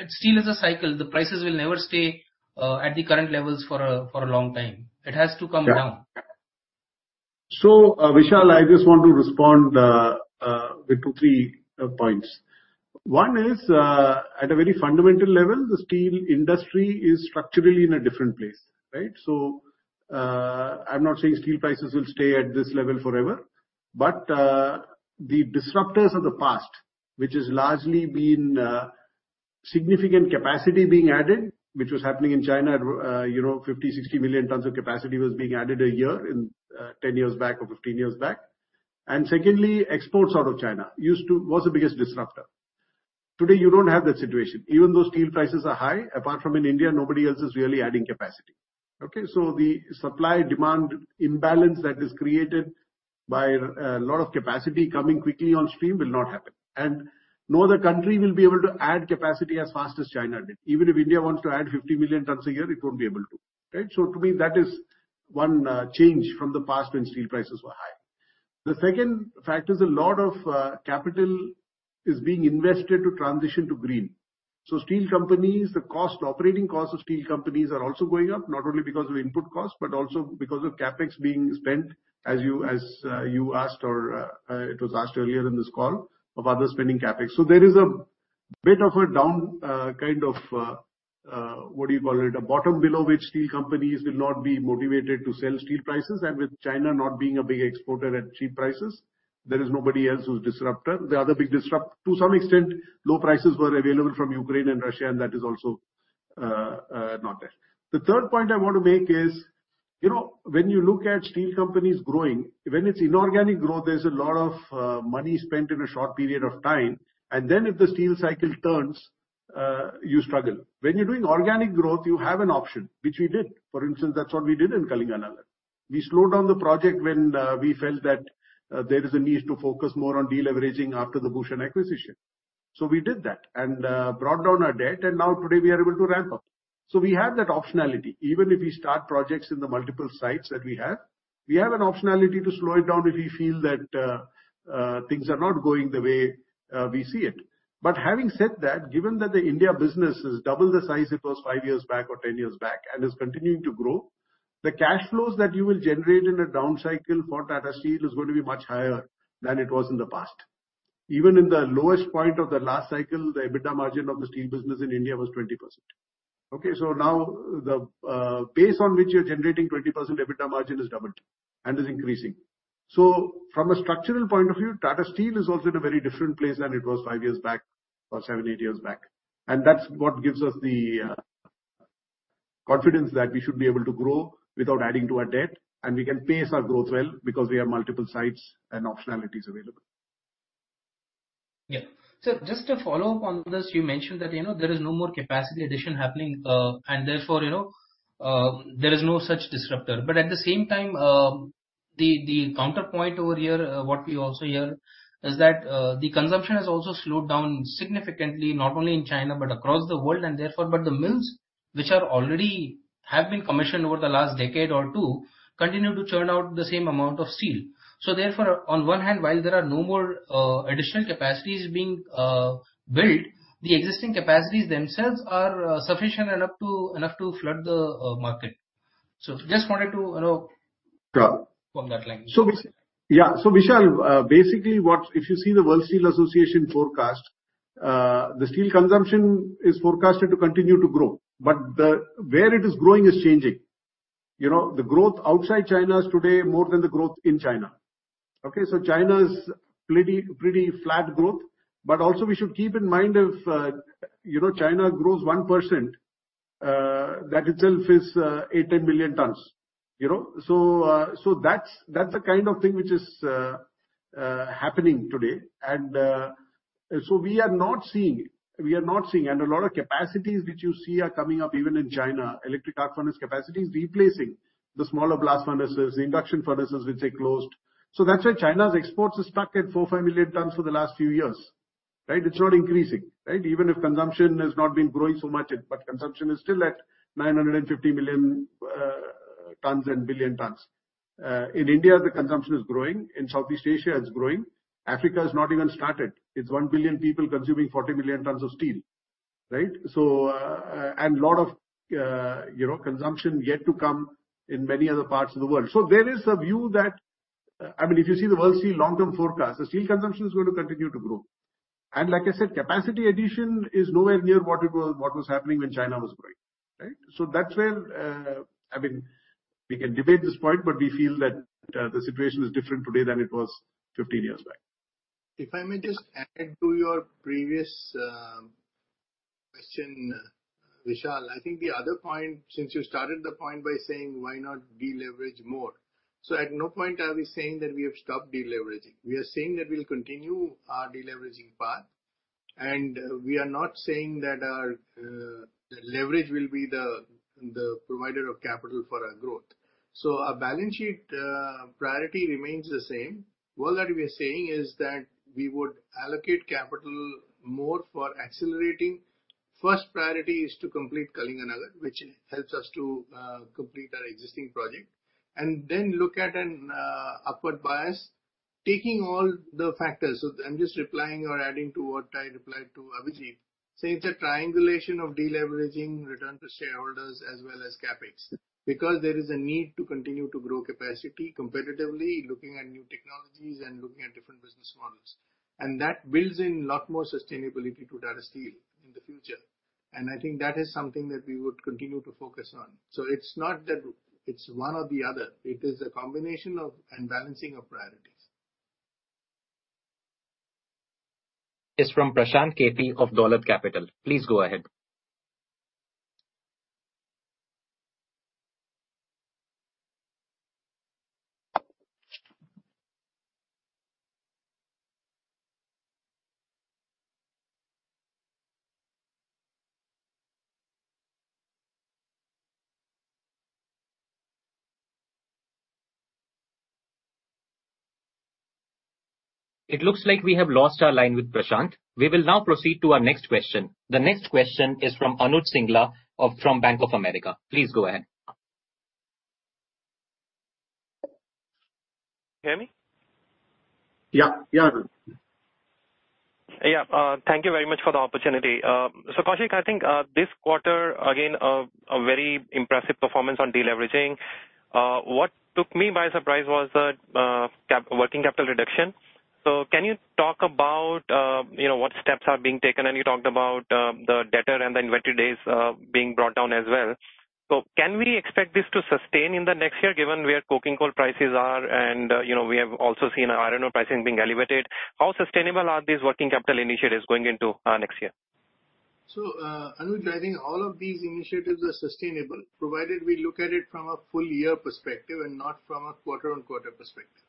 steel is a cycle. The prices will never stay at the current levels for a long time. It has to come down. Vishal, I just want to respond with two to three points. One is at a very fundamental level, the steel industry is structurally in a different place, right? I'm not saying steel prices will stay at this level forever. The disruptors of the past, which has largely been significant capacity being added, which was happening in China. You know, 50-60 million tons of capacity was being added a year in 10 years back or 15 years back. And secondly, exports out of China was the biggest disruptor. Today, you don't have that situation. Even though steel prices are high, apart from in India, nobody else is really adding capacity. Okay? The supply demand imbalance that is created by a lot of capacity coming quickly on stream will not happen. No other country will be able to add capacity as fast as China did. Even if India wants to add 50 million tons a year, it won't be able to. Right? To me, that is one change from the past when steel prices were high. The second fact is a lot of capital is being invested to transition to green. Steel companies, the cost, operating cost of steel companies are also going up not only because of input costs, but also because of CapEx being spent, as you asked or it was asked earlier in this call of others spending CapEx. There is a bit of a downside kind of what do you call it? A bottom below which steel companies will not be motivated to sell steel prices. With China not being a big exporter at cheap prices, there is nobody else who's disruptor. The other big disrupt, to some extent, low prices were available from Ukraine and Russia, and that is also not there. The third point I want to make is, you know, when you look at steel companies growing, when it's inorganic growth, there's a lot of money spent in a short period of time. Then if the steel cycle turns, you struggle. When you're doing organic growth, you have an option, which we did. For instance, that's what we did in Kalinganagar. We slowed down the project when we felt that there is a need to focus more on deleveraging after the Bhushan acquisition. We did that and brought down our debt. Now today we are able to ramp up. We have that optionality. Even if we start projects in the multiple sites that we have, we have an optionality to slow it down if we feel that things are not going the way we see it. Having said that, given that the India business is double the size it was five years back or 10 years back and is continuing to grow, the cash flows that you will generate in a down cycle for Tata Steel is going to be much higher than it was in the past. Even in the lowest point of the last cycle, the EBITDA margin of the steel business in India was 20%. Okay? Now the base on which you're generating 20% EBITDA margin has doubled and is increasing. From a structural point of view, Tata Steel is also in a very different place than it was five years back or seven, eight years back. That's what gives us the confidence that we should be able to grow without adding to our debt. We can pace our growth well because we have multiple sites and optionalities available. Yeah. Just to follow up on this, you mentioned that, you know, there is no more capacity addition happening, and therefore, you know, there is no such disruptor. At the same time, the counterpoint over here, what we also hear is that, the consumption has also slowed down significantly, not only in China but across the world and therefore. The mills which are already have been commissioned over the last decade or two continue to churn out the same amount of steel. Therefore, on one hand, while there are no more, additional capacities being built, the existing capacities themselves are sufficient enough to flood the market. Just wanted to, you know- Sure. From that line. Vishal, basically what if you see the World Steel Association forecast, the steel consumption is forecasted to continue to grow, but where it is growing is changing. You know, the growth outside China is today more than the growth in China. Okay, so China's pretty flat growth. But also we should keep in mind if you know, China grows 1%, that itself is 8-10 billion tons, you know? So that's the kind of thing which is happening today. We are not seeing. A lot of capacities which you see are coming up even in China, electric arc furnace capacity is replacing the smaller blast furnaces, the induction furnaces which they closed. That's why China's exports are stuck at 4-5 million tons for the last few years, right? It's not increasing, right? Even if consumption has not been growing so much, but consumption is still at 950 million tons to a billion tons. In India, the consumption is growing. In Southeast Asia, it's growing. Africa has not even started. It's 1 billion people consuming 40 million tons of steel, right? And a lot of, you know, consumption yet to come in many other parts of the world. There is a view that, I mean, if you see the World Steel Association long-term forecast, the steel consumption is going to continue to grow. Like I said, capacity addition is nowhere near what it was, what was happening when China was growing, right? That's where, I mean, we can debate this point, but we feel that the situation is different today than it was 15 years back. If I may just add to your previous question, Vishal. I think the other point, since you started the point by saying, why not deleverage more? At no point are we saying that we have stopped deleveraging. We are saying that we'll continue our deleveraging path, and we are not saying that our leverage will be the provider of capital for our growth. Our balance sheet priority remains the same. All that we are saying is that we would allocate capital more for accelerating. First priority is to complete Kalinganagar, which helps us to complete our existing project, and then look at an upward bias, taking all the factors. I'm just replying or adding to what I replied to Abhijit. It's a triangulation of deleveraging, return to shareholders as well as CapEx, because there is a need to continue to grow capacity competitively, looking at new technologies and looking at different business models. That builds in lot more sustainability to Tata Steel in the future. I think that is something that we would continue to focus on. It's not that it's one or the other. It is a combination of and balancing of priorities. is from Prashant Kumar of Dolat Capital. Please go ahead. It looks like we have lost our line with Prashant. We will now proceed to our next question. The next question is from Anuj Singla of Bank of America. Please go ahead. Can you hear me? Yeah. Yeah. Yeah. Thank you very much for the opportunity. Koushik, I think this quarter again a very impressive performance on deleveraging. What took me by surprise was the working capital reduction. Can you talk about you know what steps are being taken? You talked about the debtor and the inventory days being brought down as well. Can we expect this to sustain in the next year given where coking coal prices are and you know we have also seen iron ore pricing being elevated. How sustainable are these working capital initiatives going into next year? Anuj, I think all of these initiatives are sustainable, provided we look at it from a full year perspective and not from a quarter-on-quarter perspective.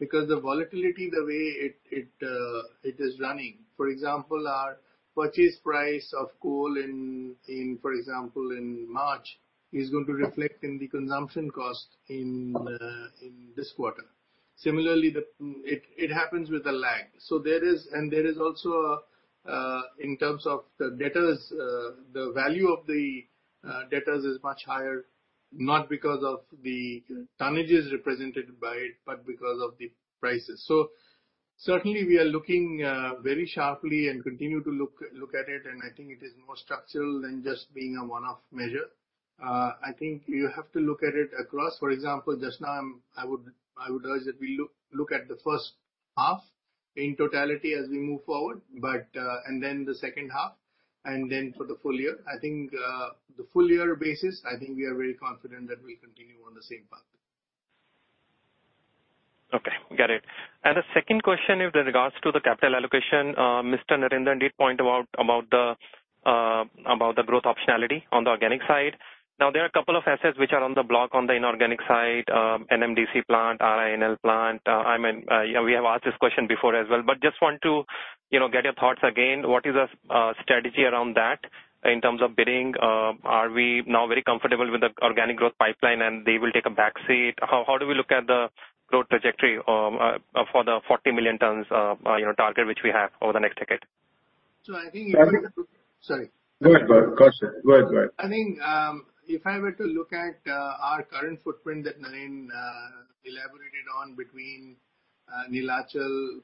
Because the volatility, the way it is running. For example, our purchase price of coal in March is going to reflect in the consumption cost in this quarter. Similarly, it happens with a lag. There is also, in terms of the debtors, the value of the debtors is much higher, not because of the tonnages represented by it, but because of the prices. Certainly we are looking very sharply and continue to look at it, and I think it is more structural than just being a one-off measure. I think you have to look at it across. For example, just now I would urge that we look at the first half in totality as we move forward, but and then the second half. Then for the full year, I think the full year basis, I think we are very confident that we'll continue on the same path. Okay, got it. The second question is with regards to the capital allocation. Mr. T.V. Narendran did point about the growth optionality on the organic side. Now, there are a couple of assets which are on the block on the inorganic side, NMDC plant, RINL plant. I mean, yeah, we have asked this question before as well, but just want to, you know, get your thoughts again. What is the strategy around that in terms of bidding? Are we now very comfortable with the organic growth pipeline and they will take a back seat? How do we look at the growth trajectory for the 40 million tons, you know, target which we have over the next decade? I think. Go ahead. Sorry. Go ahead. Go ahead, sir. Go ahead. I think, if I were to look at our current footprint that Naren elaborated on between Neelachal,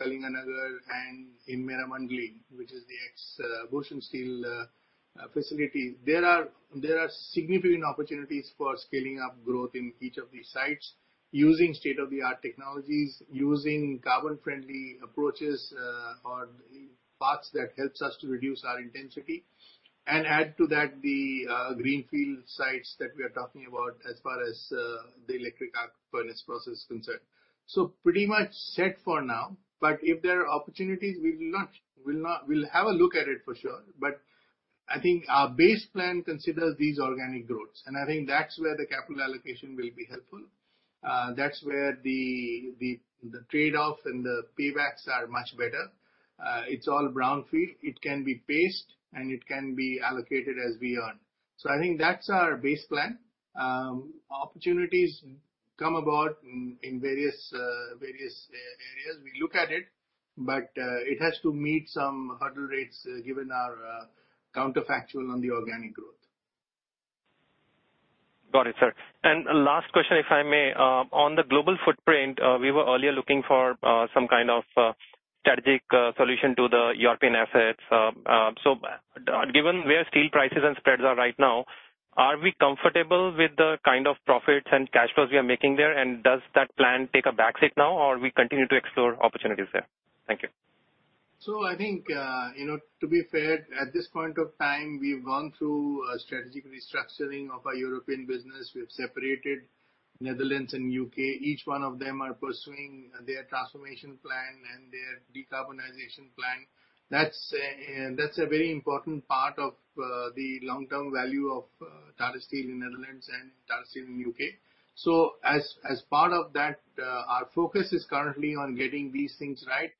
Kalinganagar and in Meramandali, which is the ex Bhushan Steel facility. There are significant opportunities for scaling up growth in each of these sites using state-of-the-art technologies, using carbon-friendly approaches or paths that helps us to reduce our intensity. Add to that the greenfield sites that we are talking about as far as the electric arc furnace process is concerned. Pretty much set for now. If there are opportunities, we'll have a look at it for sure. I think our base plan considers these organic growths. I think that's where the capital allocation will be helpful. That's where the trade-off and the paybacks are much better. It's all brownfield. It can be paced, and it can be allocated as we earn. I think that's our base plan. Opportunities come about in various areas. We look at it. It has to meet some hurdle rates given our counterfactual on the organic growth. Got it, sir. Last question, if I may. On the global footprint, we were earlier looking for some kind of strategic solution to the European assets. Given where steel prices and spreads are right now, are we comfortable with the kind of profits and cash flows we are making there, and does that plan take a back seat now, or we continue to explore opportunities there? Thank you. I think, you know, to be fair, at this point of time, we've gone through a strategic restructuring of our European business. We have separated the Netherlands and the U.K. Each one of them are pursuing their transformation plan and their decarbonization plan. That's a very important part of the long-term value of Tata Steel in the Netherlands and Tata Steel in the U.K. As part of that, our focus is currently on getting these things right,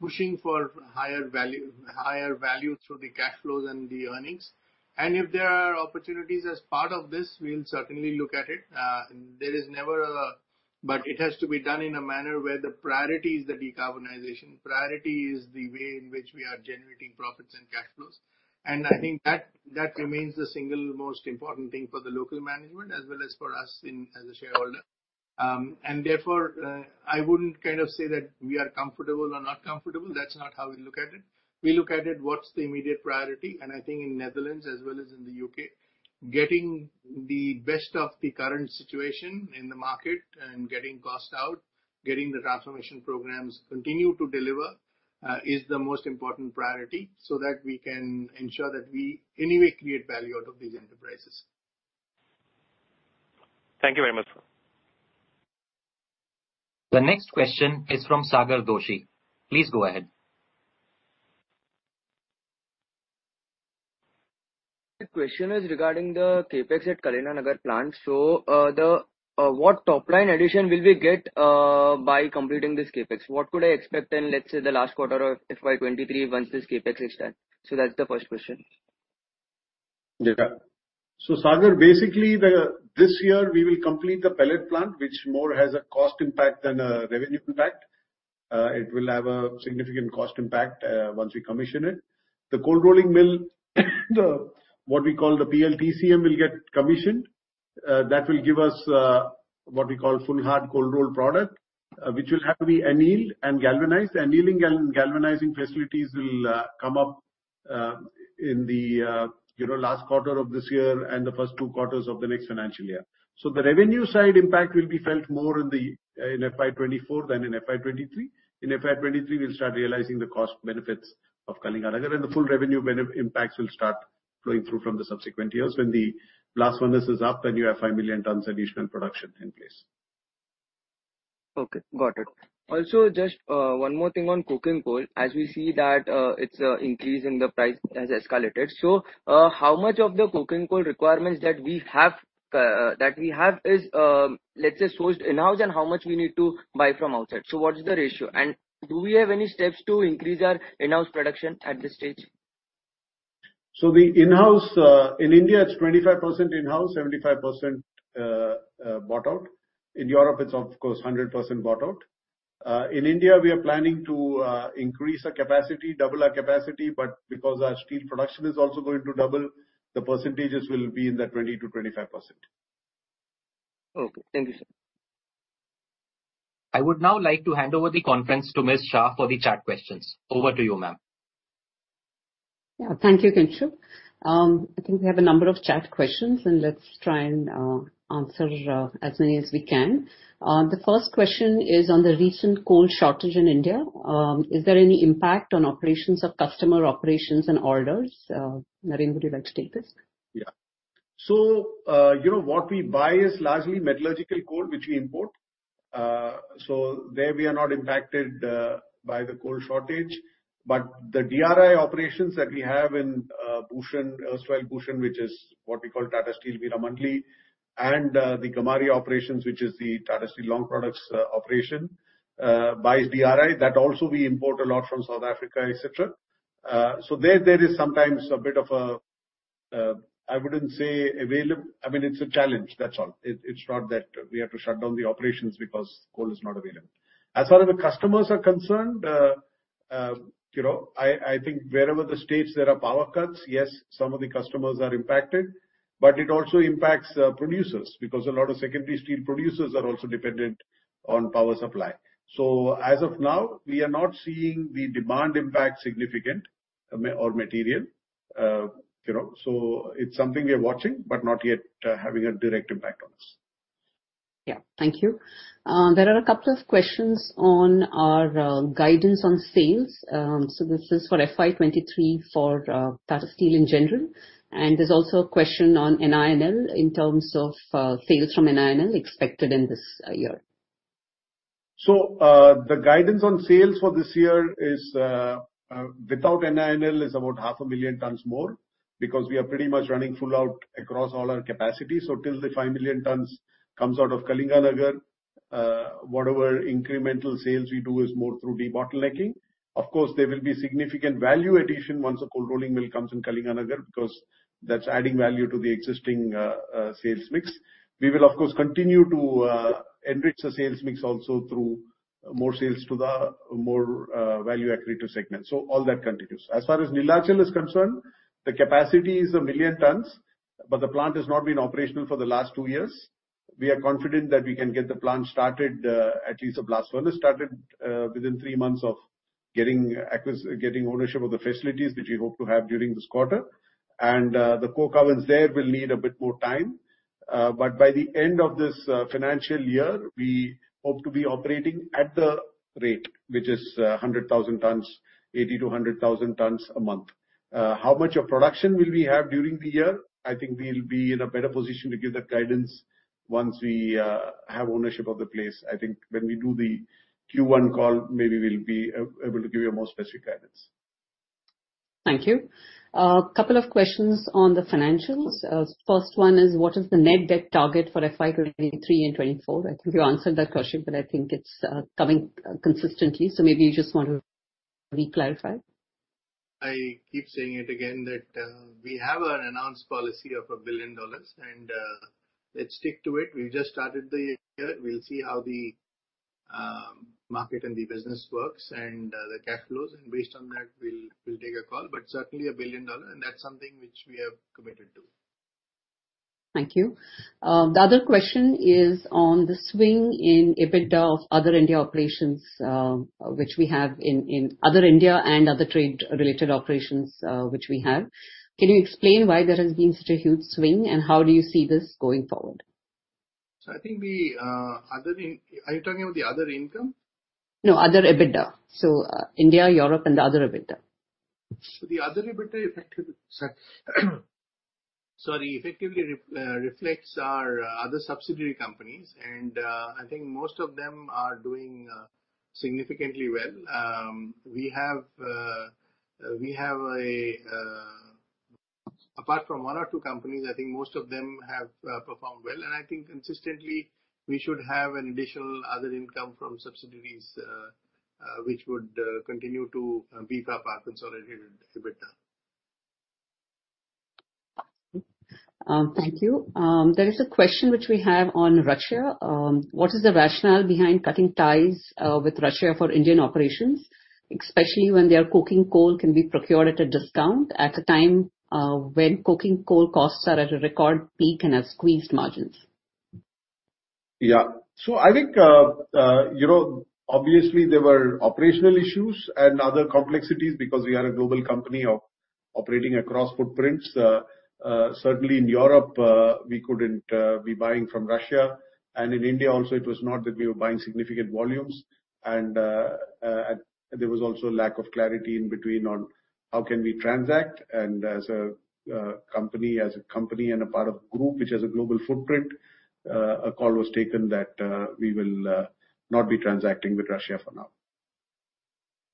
pushing for higher value through the cash flows and the earnings. If there are opportunities as part of this, we'll certainly look at it. It has to be done in a manner where the priority is the decarbonization. Priority is the way in which we are generating profits and cash flows. I think that remains the single most important thing for the local management as well as for us in, as a shareholder. Therefore, I wouldn't kind of say that we are comfortable or not comfortable. That's not how we look at it. We look at it, what's the immediate priority. I think in Netherlands as well as in the U.K., getting the best of the current situation in the market and getting cost out, getting the transformation programs continue to deliver, is the most important priority so that we can ensure that we any way create value out of these enterprises. Thank you very much. The next question is from Sagar Doshi. Please go ahead. The question is regarding the CapEx at Kalinganagar plant. What top line addition will we get by completing this CapEx? What could I expect in, let's say, the last quarter of FY23 once this CapEx is done? That's the first question. Yeah. Sagar, basically this year we will complete the pellet plant, which has more of a cost impact than a revenue impact. It will have a significant cost impact once we commission it. The cold rolling mill, what we call the PLTCM, will get commissioned. That will give us what we call full hard cold rolled product, which will have to be annealed and galvanized. Annealing and galvanizing facilities will come up in the, you know, last quarter of this year and the first two quarters of the next financial year. The revenue side impact will be felt more in FY 2024 than in FY 2023. In FY 2023, we'll start realizing the cost benefits of Kalinganagar, and the full revenue impacts will start flowing through from the subsequent years when the blast furnace is up and you have 5 million tons additional production in place. Okay. Got it. Also, just one more thing on coking coal. As we see that, its increase in the price has escalated. How much of the coking coal requirements that we have is, let's say, sourced in-house and how much we need to buy from outside? What is the ratio? And do we have any steps to increase our in-house production at this stage? The in-house, in India it's 25% in-house, 75%, bought out. In Europe it's of course 100% bought out. In India we are planning to increase our capacity, double our capacity, but because our steel production is also going to double, the percentages will be in the 20%-25%. Okay. Thank you, sir. I would now like to hand over the conference to Ms. Shah for the chat questions. Over to you, ma'am. Yeah. Thank you, Kinshuk. I think we have a number of chat questions, and let's try and answer as many as we can. The first question is on the recent coal shortage in India. Is there any impact on operations or customer operations and orders? Naren, would you like to take this? Yeah. You know, what we buy is largely metallurgical coal, which we import. There we are not impacted by the coal shortage. The DRI operations that we have in Bhushan, erstwhile Bhushan, which is what we call Tata Steel Meramandali, and the Gamharia operations, which is the Tata Steel Long Products operation, buys DRI. That also we import a lot from South Africa, etc. There is sometimes a bit of a challenge, I mean, it's a challenge, that's all. It's not that we have to shut down the operations because coal is not available. As far as the customers are concerned, you know, I think wherever the states there are power cuts, yes, some of the customers are impacted. It also impacts producers, because a lot of secondary steel producers are also dependent on power supply. As of now, we are not seeing the demand impact significant, or material. You know, so it's something we are watching, but not yet having a direct impact on us. Yeah. Thank you. There are a couple of questions on our guidance on sales. This is for FY23 for Tata Steel in general. There's also a question on NINL in terms of sales from NINL expected in this year. The guidance on sales for this year is, without NINL, about 0.5 million tons more, because we are pretty much running full out across all our capacity. Till the 5 million tons comes out of Kalinganagar, whatever incremental sales we do is more through debottlenecking. Of course, there will be significant value addition once the cold rolling mill comes in Kalinganagar, because that's adding value to the existing sales mix. We will of course continue to enrich the sales mix also through more sales to the more value accretive segment. All that continues. As far as Neelachal is concerned, the capacity is 1 million tons, but the plant has not been operational for the last two years. We are confident that we can get the plant started, at least the blast furnace started, within three months of getting ownership of the facilities, which we hope to have during this quarter. The coke ovens there will need a bit more time. By the end of this financial year, we hope to be operating at the rate, which is 100,000 tons, 80,000-100,000 tons a month. How much of production will we have during the year? I think we'll be in a better position to give that guidance once we have ownership of the place. I think when we do the Q1 call, maybe we'll be able to give you a more specific guidance. Thank you. Couple of questions on the financials. First one is, what is the net debt target for FY23 and FY24? I think you answered that question, but I think it's coming consistently, so maybe you just want to re-clarify. I keep saying it again that we have an announced policy of $1 billion, and let's stick to it. We just started the year. We'll see how the market and the business works and the cash flows. Based on that, we'll take a call. Certainly $1 billion, and that's something which we have committed to. Thank you. The other question is on the swing in EBITDA of other India operations, which we have in other India and other trade related operations. Can you explain why there has been such a huge swing, and how do you see this going forward? Are you talking of the other income? No, other EBITDA. India, Europe and the other EBITDA. The other EBITDA effectively reflects our other subsidiary companies. I think most of them are doing significantly well. Apart from one or two companies, I think most of them have performed well. I think consistently, we should have an additional other income from subsidiaries, which would continue to beef up our consolidated EBITDA. Thank you. There is a question which we have on Russia. What is the rationale behind cutting ties with Russia for Indian operations, especially when their coking coal can be procured at a discount at a time when coking coal costs are at a record peak and has squeezed margins? Yeah. I think, you know, obviously there were operational issues and other complexities because we are a global company operating across footprints. Certainly in Europe, we couldn't be buying from Russia. In India also, it was not that we were buying significant volumes. There was also lack of clarity in between on how can we transact. As a company and a part of group which has a global footprint, a call was taken that we will not be transacting with Russia for now.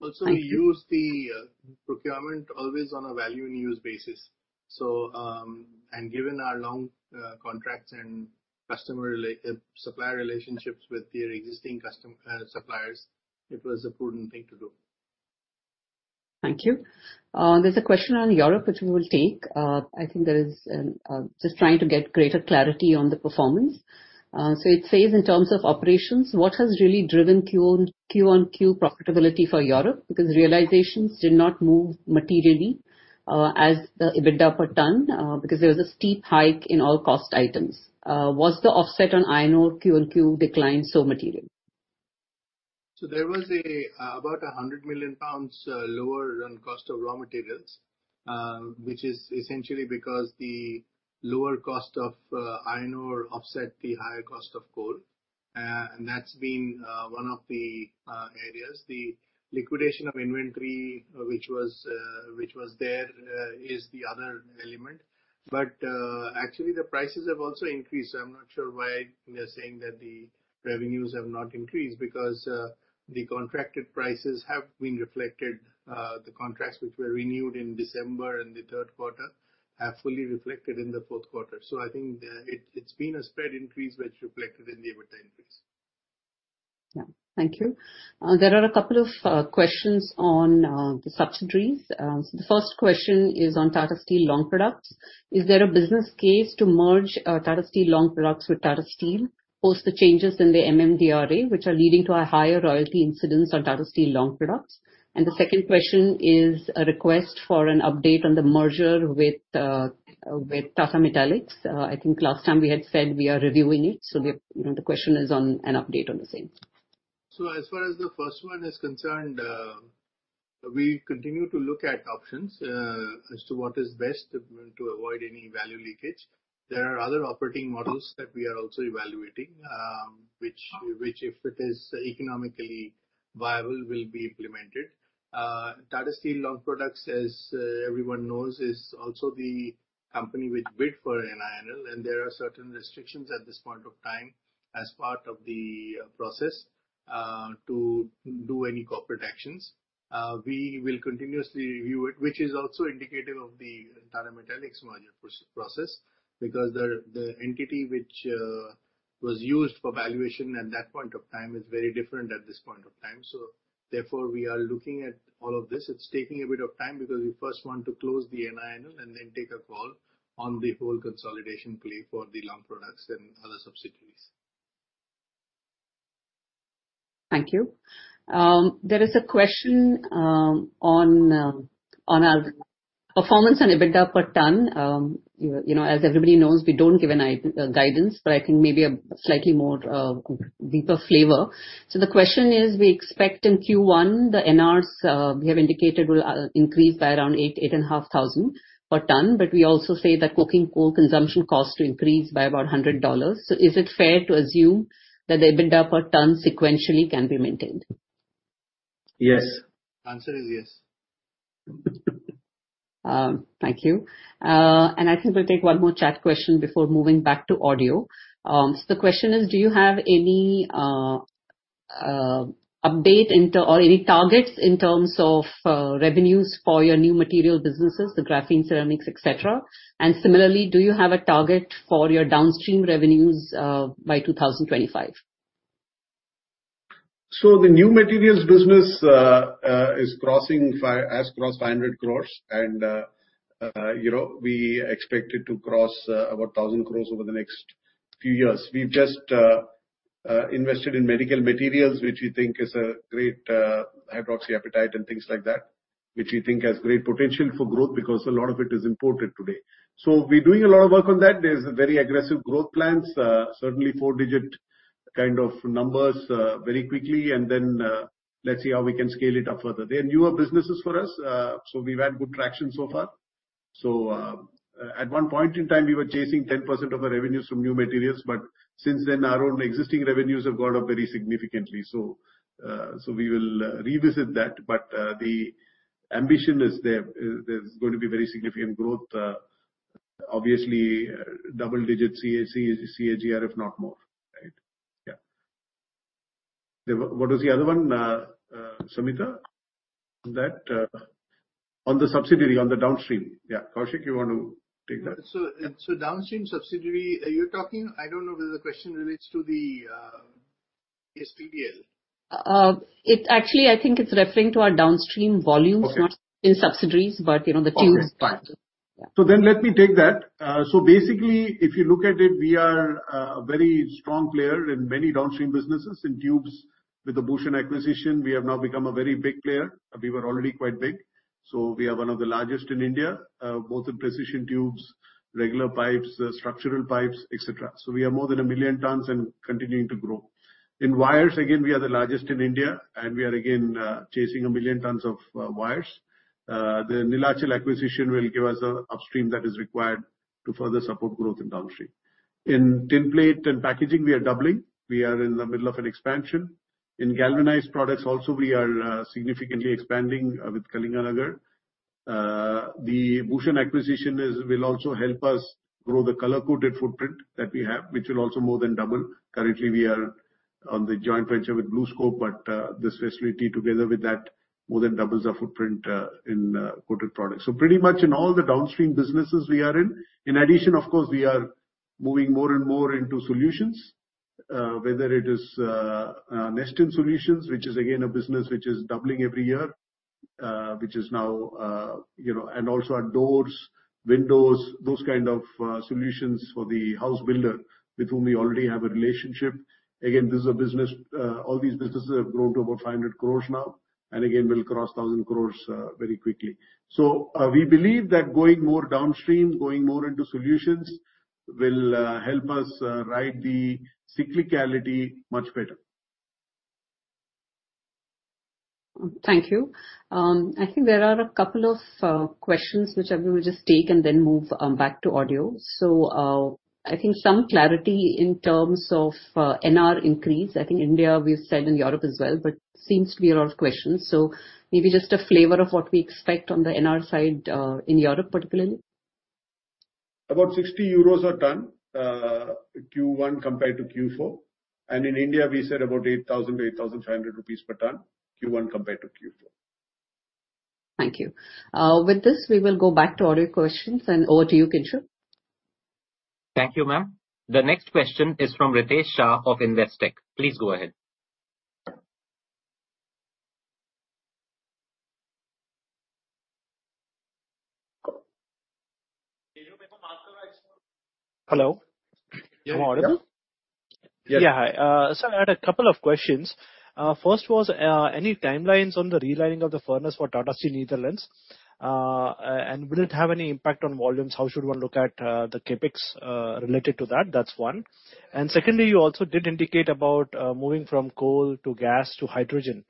Thank you. Also, we use the procurement always on a value and use basis. Given our long contracts and supplier relationships with their existing suppliers, it was a prudent thing to do. Thank you. There's a question on Europe which we will take. Just trying to get greater clarity on the performance. It says, in terms of operations, what has really driven quarter-over-quarter profitability for Europe? Because realizations did not move materially, as the EBITDA per ton, because there was a steep hike in all cost items. Was the offset on iron ore quarter-over-quarter decline so material? There was about 100 million pounds lower than cost of raw materials, which is essentially because the lower cost of iron ore offset the higher cost of coal. That's been one of the areas. The liquidation of inventory, which was there, is the other element. Actually, the prices have also increased. I'm not sure why they're saying that the revenues have not increased, because the contracted prices have been reflected. The contracts which were renewed in December in the third quarter have fully reflected in the fourth quarter. I think it's been a spread increase which reflected in the EBITDA increase. Thank you. There are a couple of questions on the subsidiaries. The first question is on Tata Steel Long Products. Is there a business case to merge Tata Steel Long Products with Tata Steel post the changes in the MMDR Act, which are leading to a higher royalty incidence on Tata Steel Long Products? The second question is a request for an update on the merger with Tata Metaliks. I think last time we had said we are reviewing it. You know, the question is on an update on the same. As far as the first one is concerned, we continue to look at options as to what is best to avoid any value leakage. There are other operating models that we are also evaluating, which, if it is economically viable, will be implemented. Tata Steel Long Products, as everyone knows, is also the company which bid for NINL, and there are certain restrictions at this point of time as part of the process to do any corporate actions. We will continuously review it, which is also indicative of the Tata Metaliks merger process, because the entity which was used for valuation at that point of time is very different at this point of time. Therefore, we are looking at all of this. It's taking a bit of time because we first want to close the NINL and then take a call on the whole consolidation play for the Long Products and other subsidiaries. Thank you. There is a question on our performance and EBITDA per ton. You know, as everybody knows, we don't give any guidance, but I think maybe a slightly more deeper flavor. The question is, we expect in Q1 the NRs we have indicated will increase by around 8 and half thousand per ton, but we also say that coking coal consumption costs to increase by about $100. Is it fair to assume that the EBITDA per ton sequentially can be maintained? Yes. Answer is yes. Thank you. And I think we'll take one more chat question before moving back to audio. So the question is, do you have any update or any targets in terms of revenues for your new material businesses, the graphene, ceramics, etc? And similarly, do you have a target for your downstream revenues by 2025? The new materials business has crossed 500 crore and, you know, we expect it to cross about 1,000 crore over the next few years. We've just invested in medical materials, which we think is a great hydroxyapatite and things like that, which we think has great potential for growth because a lot of it is imported today. We're doing a lot of work on that. There's very aggressive growth plans, certainly four-digit kind of numbers very quickly, and then, let's see how we can scale it up further. They are newer businesses for us, so we've had good traction so far. At one point in time, we were chasing 10% of our revenues from new materials, but since then, our own existing revenues have gone up very significantly, so we will revisit that. The ambition is there. There's going to be very significant growth, obviously double-digit CAGR, if not more. Right? Yeah. What was the other one, Samita? That on the subsidiary, on the downstream. Yeah. Kaushik, you want to take that? downstream subsidiary, are you talking? I don't know whether the question relates to the SPDL. Actually, I think it's referring to our downstream volumes. Okay. Not subsidiaries, but, you know, the tubes part. Yeah. Let me take that. Basically, if you look at it, we are a very strong player in many downstream businesses. In tubes, with the Bhushan acquisition, we have now become a very big player. We were already quite big. We are one of the largest in India, both in precision tubes, regular pipes, structural pipes, etc. We are more than 1 million tons and continuing to grow. In wires, again, we are the largest in India, and we are again, chasing 1 million tons of wires. The Neelachal acquisition will give us an upstream that is required to further support growth in downstream. In tinplate and packaging, we are doubling. We are in the middle of an expansion. In galvanized products also, we are significantly expanding, with Kalinganagar. The Bhushan acquisition will also help us grow the color-coated footprint that we have, which will also more than double. Currently, we are on the joint venture with BlueScope, but this facility together with that more than doubles our footprint in coated products. Pretty much in all the downstream businesses we are in. In addition, of course, we are moving more and more into solutions, whether it is nesting solutions, which is again a business which is doubling every year, which is now, you know. Also our doors, windows, those kind of solutions for the house builder with whom we already have a relationship. Again, this is a business, all these businesses have grown to about 500 crores now, and again will cross 1,000 crores very quickly. We believe that going more downstream, going more into solutions, will help us ride the cyclicality much better. Thank you. I think there are a couple of questions which I will just take and then move back to audio. I think some clarity in terms of NR increase. I think India we've said and Europe as well, but seems to be a lot of questions. Maybe just a flavor of what we expect on the NR side in Europe particularly. About 60 euros a ton, Q1 compared to Q4. In India we said about 8,000-8,500 rupees per ton, Q1 compared to Q4. Thank you. With this we will go back to audio questions and over to you, Kinshuk. Thank you, ma'am. The next question is from Ritesh Shah of Investec. Please go ahead. Hello. Am I audible? Yes. Yeah. Hi. Sir, I had a couple of questions. First was any timelines on the relining of the furnace for Tata Steel Netherlands? And will it have any impact on volumes? How should one look at the CapEx related to that? That's one. Secondly, you also did indicate about moving from coal to gas to hydrogen.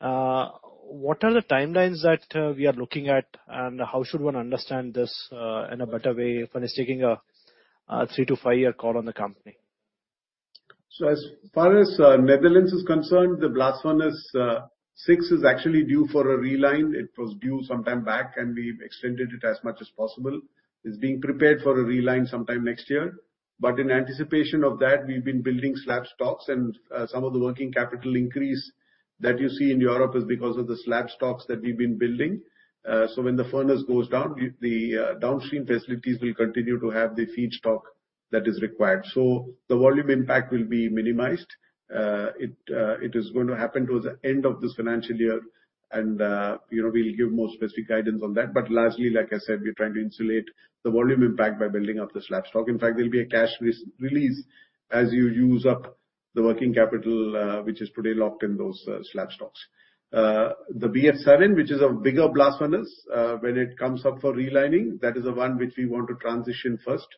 What are the timelines that we are looking at, and how should one understand this in a better way if one is taking a three to five year call on the company? As far as the Netherlands is concerned, the blast furnace six is actually due for a reline. It was due some time back, and we've extended it as much as possible. It's being prepared for a reline sometime next year. In anticipation of that, we've been building slab stocks. Some of the working capital increase that you see in Europe is because of the slab stocks that we've been building. When the furnace goes down, the downstream facilities will continue to have the feedstock that is required. The volume impact will be minimized. It is going to happen towards the end of this financial year, and you know, we'll give more specific guidance on that. Largely, like I said, we are trying to insulate the volume impact by building up the slab stock. In fact, there'll be a cash re-release as you use up the working capital, which is pretty locked in those slab stocks. The BF7, which is a bigger blast furnace, when it comes up for relining, that is the one which we want to transition first.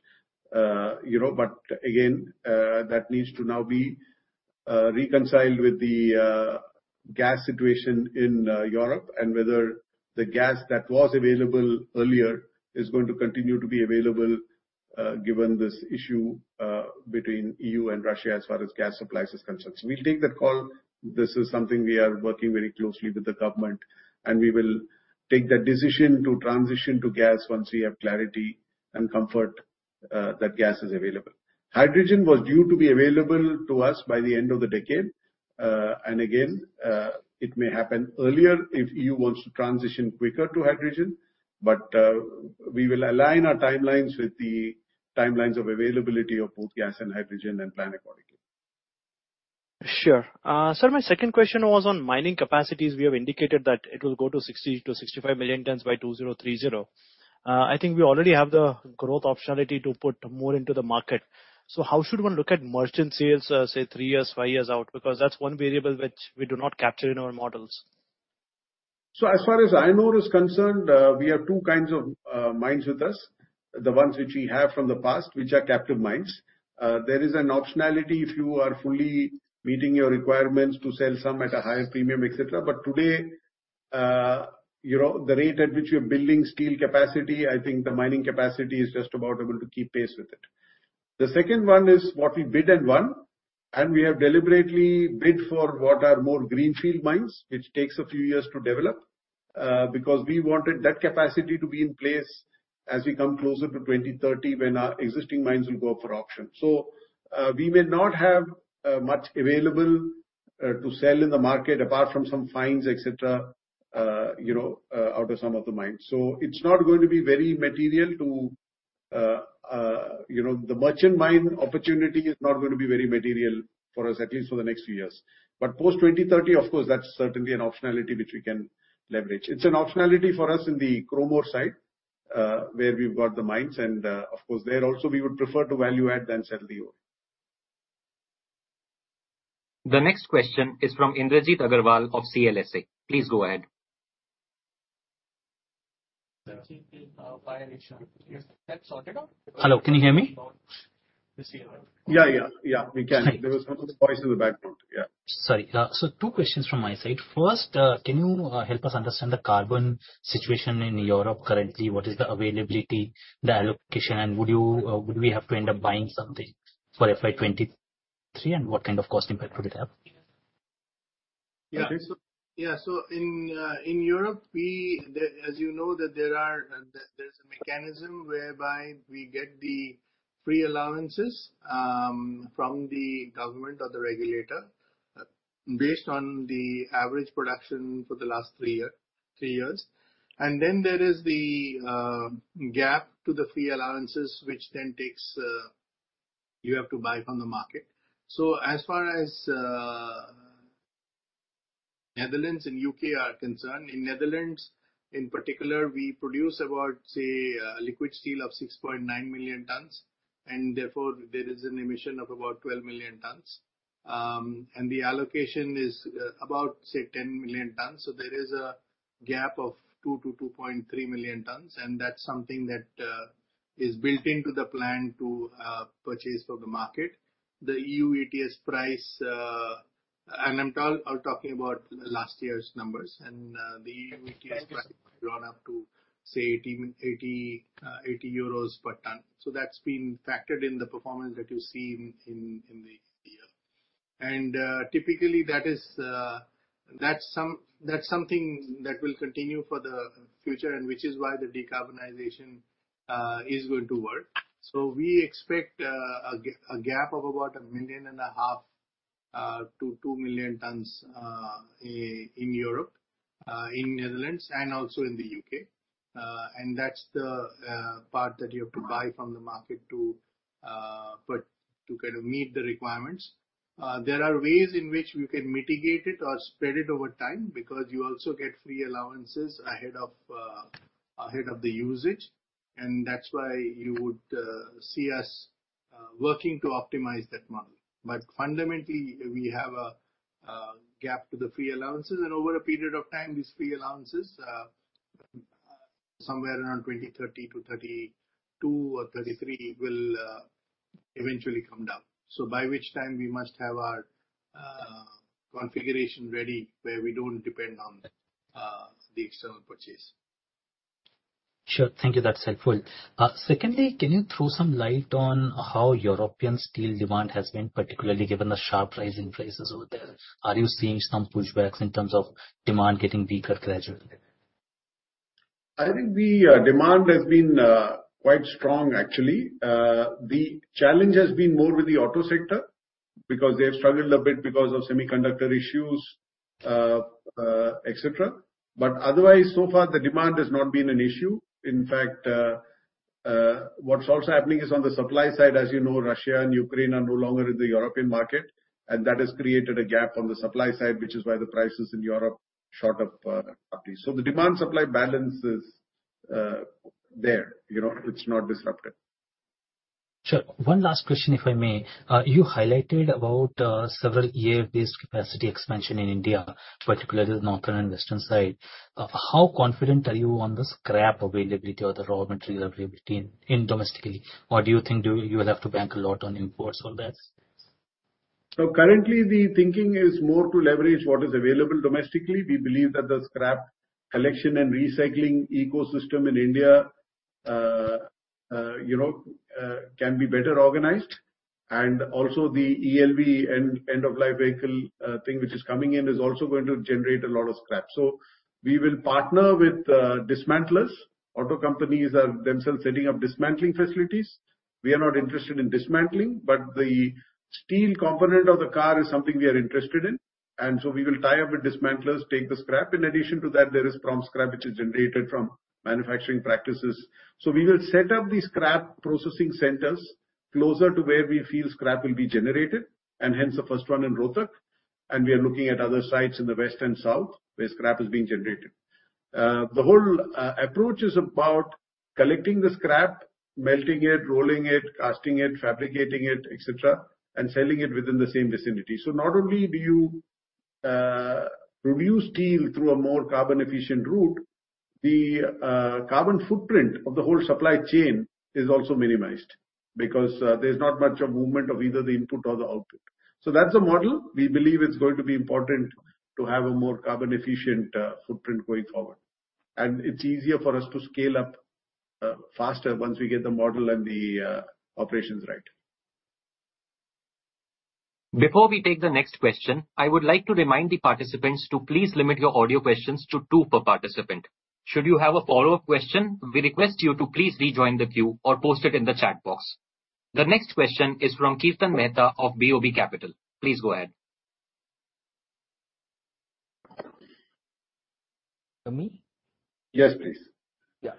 You know, but again, that needs to now be reconciled with the gas situation in Europe and whether the gas that was available earlier is going to continue to be available, given this issue between EU and Russia as far as gas supply is concerned. So we'll take that call. This is something we are working very closely with the government, and we will take that decision to transition to gas once we have clarity and comfort that gas is available. Hydrogen was due to be available to us by the end of the decade. It may happen earlier if EU wants to transition quicker to hydrogen. We will align our timelines with the timelines of availability of both gas and hydrogen and plan accordingly. Sure. Sir, my second question was on mining capacities. We have indicated that it will go to 60 million-65 million tons by 2030. I think we already have the growth optionality to put more into the market. How should one look at merchant sales, say, three years, five years out? Because that's one variable which we do not capture in our models. As far as iron ore is concerned, we have two kinds of mines with us. The ones which we have from the past, which are captive mines. There is an optionality if you are fully meeting your requirements to sell some at a higher premium, etc. Today, you know, the rate at which you're building steel capacity, I think the mining capacity is just about able to keep pace with it. The second one is what we bid and won, and we have deliberately bid for what are more greenfield mines, which takes a few years to develop. Because we wanted that capacity to be in place as we come closer to 2030 when our existing mines will go up for auction. We may not have much available to sell in the market apart from some fines, etc, you know, out of some of the mines. It's not going to be very material, you know. The merchant mine opportunity is not going to be very material for us, at least for the next few years. Post 2030, of course, that's certainly an optionality which we can leverage. It's an optionality for us in the chrome ore side, where we've got the mines. Of course, there also we would prefer to value add than sell the ore. The next question is from Indrajit Agarwal of CLSA. Please go ahead. Hello, can you hear me? Yeah, yeah. Yeah, we can. Sorry. There was some voice in the background. Yeah. Sorry. Two questions from my side. First, can you help us understand the carbon situation in Europe currently? What is the availability, the allocation, and would we have to end up buying something for FY23, and what kind of cost impact would it have? Yeah. Okay. In Europe, as you know, there's a mechanism whereby we get the free allowances from the government or the regulator based on the average production for the last three years. Then there is the gap to the free allowances, which you have to buy from the market. As far as Netherlands and U.K. are concerned, in Netherlands in particular, we produce about 6.9 million tons of liquid steel, and therefore there is an emission of about 12 million tons. The allocation is about 10 million tons. There is a gap of 2 million-2.3 million tons, and that's something that is built into the plan to purchase from the market. The EU ETS price, and I'm talking about last year's numbers, and the EU ETS price gone up to, say 80 EUR per tonne. That's been factored in the performance that you see in the year. Typically, that is, that's something that will continue for the future, and which is why the decarbonization is going to work. We expect a gap of about 1.5 million-2 million tons in Europe, in Netherlands and also in the U.K. That's the part that you have to buy from the market to put to kind of meet the requirements. There are ways in which you can mitigate it or spread it over time, because you also get free allowances ahead of the usage. That's why you would see us working to optimize that model. Fundamentally, we have a gap to the free allowances. Over a period of time, these free allowances somewhere around 2030-2032 or 2033 will eventually come down. By which time we must have our configuration ready, where we don't depend on the external purchase. Sure. Thank you. That's helpful. Secondly, can you throw some light on how European steel demand has been, particularly given the sharp rise in prices over there? Are you seeing some pushbacks in terms of demand getting weaker gradually? I think the demand has been quite strong actually. The challenge has been more with the auto sector because they have struggled a bit because of semiconductor issues, etc. Otherwise, so far the demand has not been an issue. In fact, what's also happening is on the supply side, as you know, Russia and Ukraine are no longer in the European market, and that has created a gap on the supply side, which is why the prices in Europe shot up lately. The demand supply balance is there. You know, it's not disrupted. Sure. One last question, if I may. You highlighted about several EAF-based capacity expansion in India, particularly the northern and western side. How confident are you on the scrap availability or the raw material availability domestically? Or do you think you will have to bank a lot on imports for this? Currently the thinking is more to leverage what is available domestically. We believe that the scrap collection and recycling ecosystem in India can be better organized. Also the ELV, end-of-life vehicle thing which is coming in is also going to generate a lot of scrap. We will partner with dismantlers. Auto companies are themselves setting up dismantling facilities. We are not interested in dismantling. The steel component of the car is something we are interested in, and so we will tie up with dismantlers, take the scrap. In addition to that, there is prompt scrap which is generated from manufacturing practices. We will set up the scrap processing centers closer to where we feel scrap will be generated, and hence the first one in Rohtak, and we are looking at other sites in the west and south where scrap is being generated. The whole approach is about collecting the scrap, melting it, rolling it, casting it, fabricating it, etc, and selling it within the same vicinity. Not only do you produce steel through a more carbon efficient route, the carbon footprint of the whole supply chain is also minimized because there's not much of movement of either the input or the output. That's the model. We believe it's going to be important to have a more carbon efficient footprint going forward. It's easier for us to scale up faster once we get the model and the operations right. Before we take the next question, I would like to remind the participants to please limit your audio questions to two per participant. Should you have a follow-up question, we request you to please rejoin the queue or post it in the chat box. The next question is from Chetan Mehta of BOB Capital. Please go ahead. For me? Yes, please. Yeah.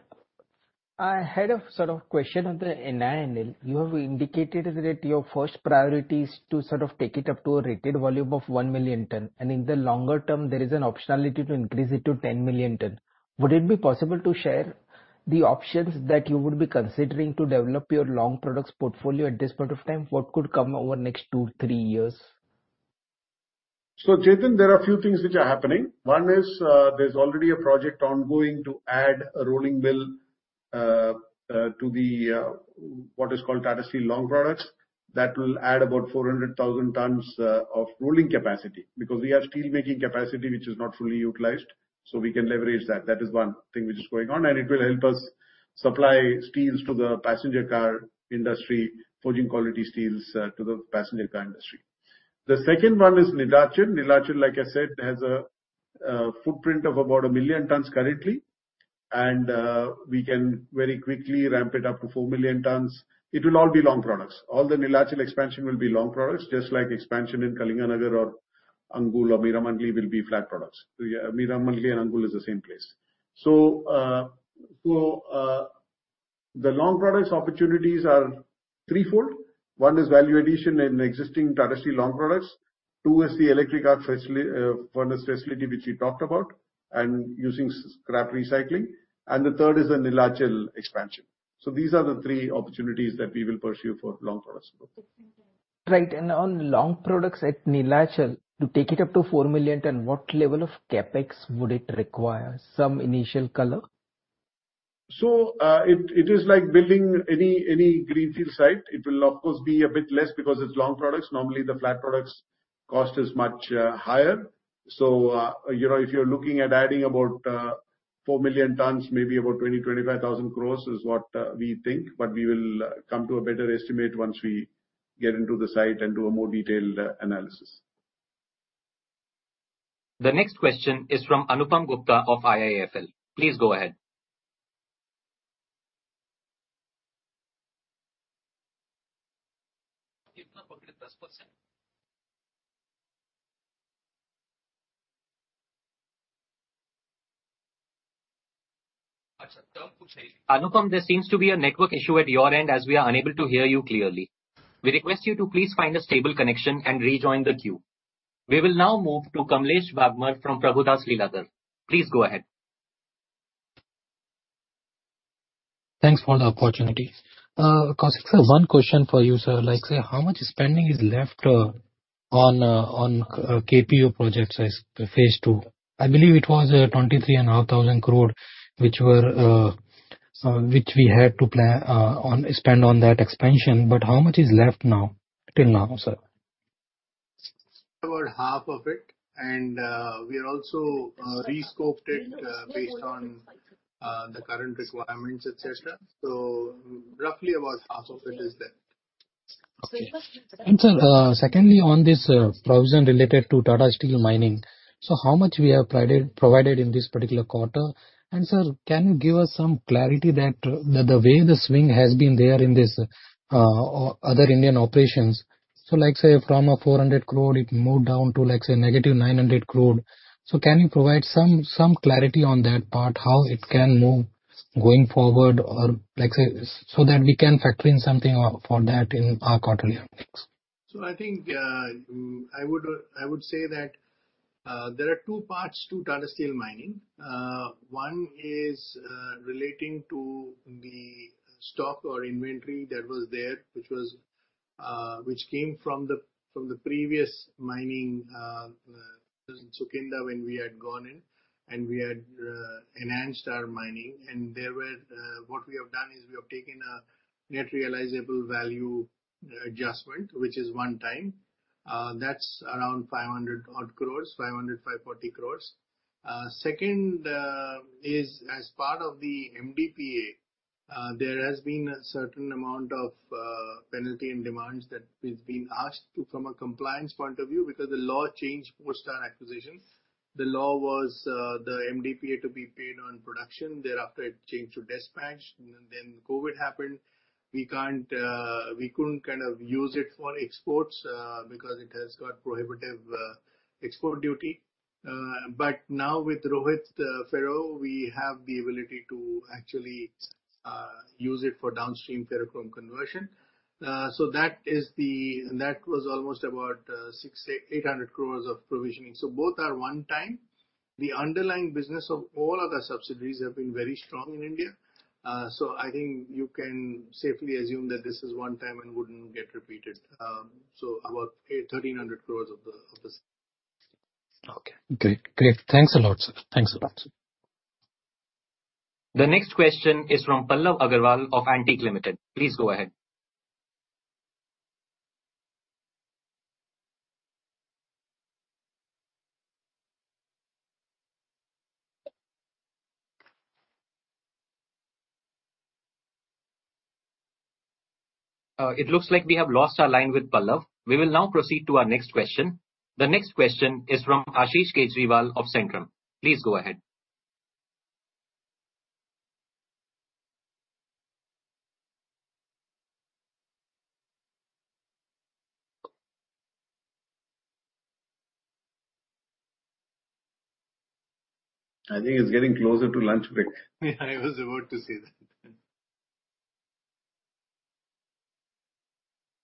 I had a sort of question on the NINL. You have indicated that your first priority is to sort of take it up to a rated volume of 1 million ton, and in the longer term there is an optionality to increase it to 10 million ton. Would it be possible to share the options that you would be considering to develop your long products portfolio at this point of time? What could come over next two, three years? Chetan, there are a few things which are happening. One is, there's already a project ongoing to add a rolling mill to the what is called Tata Steel Long Products. That will add about 400,000 tons of rolling capacity. Because we have steelmaking capacity which is not fully utilized, so we can leverage that. That is one thing which is going on, and it will help us supply steels to the passenger car industry, forging quality steels to the passenger car industry. The second one is Neelachal. Neelachal, like I said, has a footprint of about 1 million tons currently. We can very quickly ramp it up to 4 million tons. It will all be long products. All the Neelachal expansion will be long products, just like expansion in Kalinganagar or Angul or Meramandali will be flat products. Meramandali and Angul is the same place. The long products opportunities are threefold. One is value addition in existing Tata Steel Long Products. Two is the electric arc furnace facility which we talked about, and using scrap recycling. The third is the Neelachal expansion. These are the three opportunities that we will pursue for long products. Right. On long products at Neelachal, to take it up to 4 million tons, what level of CapEx would it require? Some initial color. It is like building any greenfield site. It will of course be a bit less because it's long products. Normally, the flat products cost is much higher. You know, if you're looking at adding about 4 million tons, maybe about 25,000 crores is what we think. But we will come to a better estimate once we get into the site and do a more detailed analysis. The next question is from Anupam Gupta of IIFL. Please go ahead. Anupam, there seems to be a network issue at your end, as we are unable to hear you clearly. We request you to please find a stable connection and rejoin the queue. We will now move to Kamlesh Bagmar from Prabhudas Lilladher. Please go ahead. Thanks for the opportunity. Kaushik, one question for you, sir. Like, say, how much spending is left on Kalinganagar Phase 2? I believe it was 23,500 crore, which we had to plan to spend on that expansion. How much is left now till now, sir? About half of it. We also re-scoped it based on the current requirements, etc. Roughly about half of it is there. Okay. Sir, secondly, on this provision related to Tata Steel Mining. How much have we provided in this particular quarter? Sir, can you give us some clarity that the way the swing has been there in this other Indian operations. Like, say, from 400 crore, it moved down to, like say, -900 crore. Can you provide some clarity on that part, how it can move going forward? Or like, say, so that we can factor in something for that in our quarterly earnings. I think I would say that there are two parts to Tata Steel Mining. One is relating to the stock or inventory that was there, which came from the previous mining in Sukinda when we had gone in, and we had enhanced our mining. What we have done is we have taken a net realizable value adjustment, which is one-time, that's 540 crores. Second, is as part of the MDPA, there has been a certain amount of penalty and demands that is being asked to from a compliance point of view because the law changed post our acquisition. The law was the MDPA to be paid on production. Thereafter it changed to dispatch. Then COVID happened. We couldn't kind of use it for exports, because it has got prohibitive export duty. Now with Rohit Ferro-Tech, we have the ability to actually use it for downstream ferrochrome conversion. That was almost about 600-800 crore INR of provisioning. Both are one time. The underlying business of all other subsidiaries have been very strong in India. I think you can safely assume that this is one time and wouldn't get repeated. About 800-1300 crore INR of this. Okay, great. Great. Thanks a lot, sir. Thanks a lot. The next question is from Pallav Agarwal of Antique Stock Broking Limited. Please go ahead. It looks like we have lost our line with Pallav. We will now proceed to our next question. The next question is from Ashish Kejriwal of Centrum Broking. Please go ahead. I think it's getting closer to lunch break. Yeah, I was about to say that.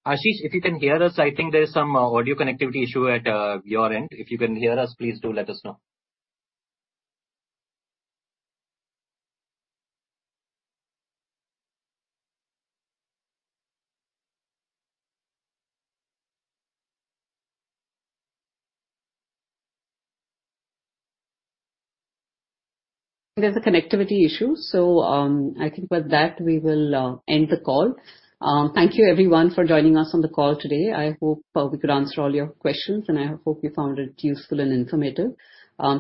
Ashish, if you can hear us, I think there is some audio connectivity issue at your end. If you can hear us, please do let us know. There's a connectivity issue, so I think with that, we will end the call. Thank you everyone for joining us on the call today. I hope we could answer all your questions, and I hope you found it useful and informative.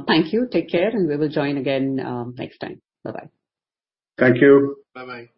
Thank you. Take care, and we will join again next time. Bye-bye. Thank you. Bye-bye.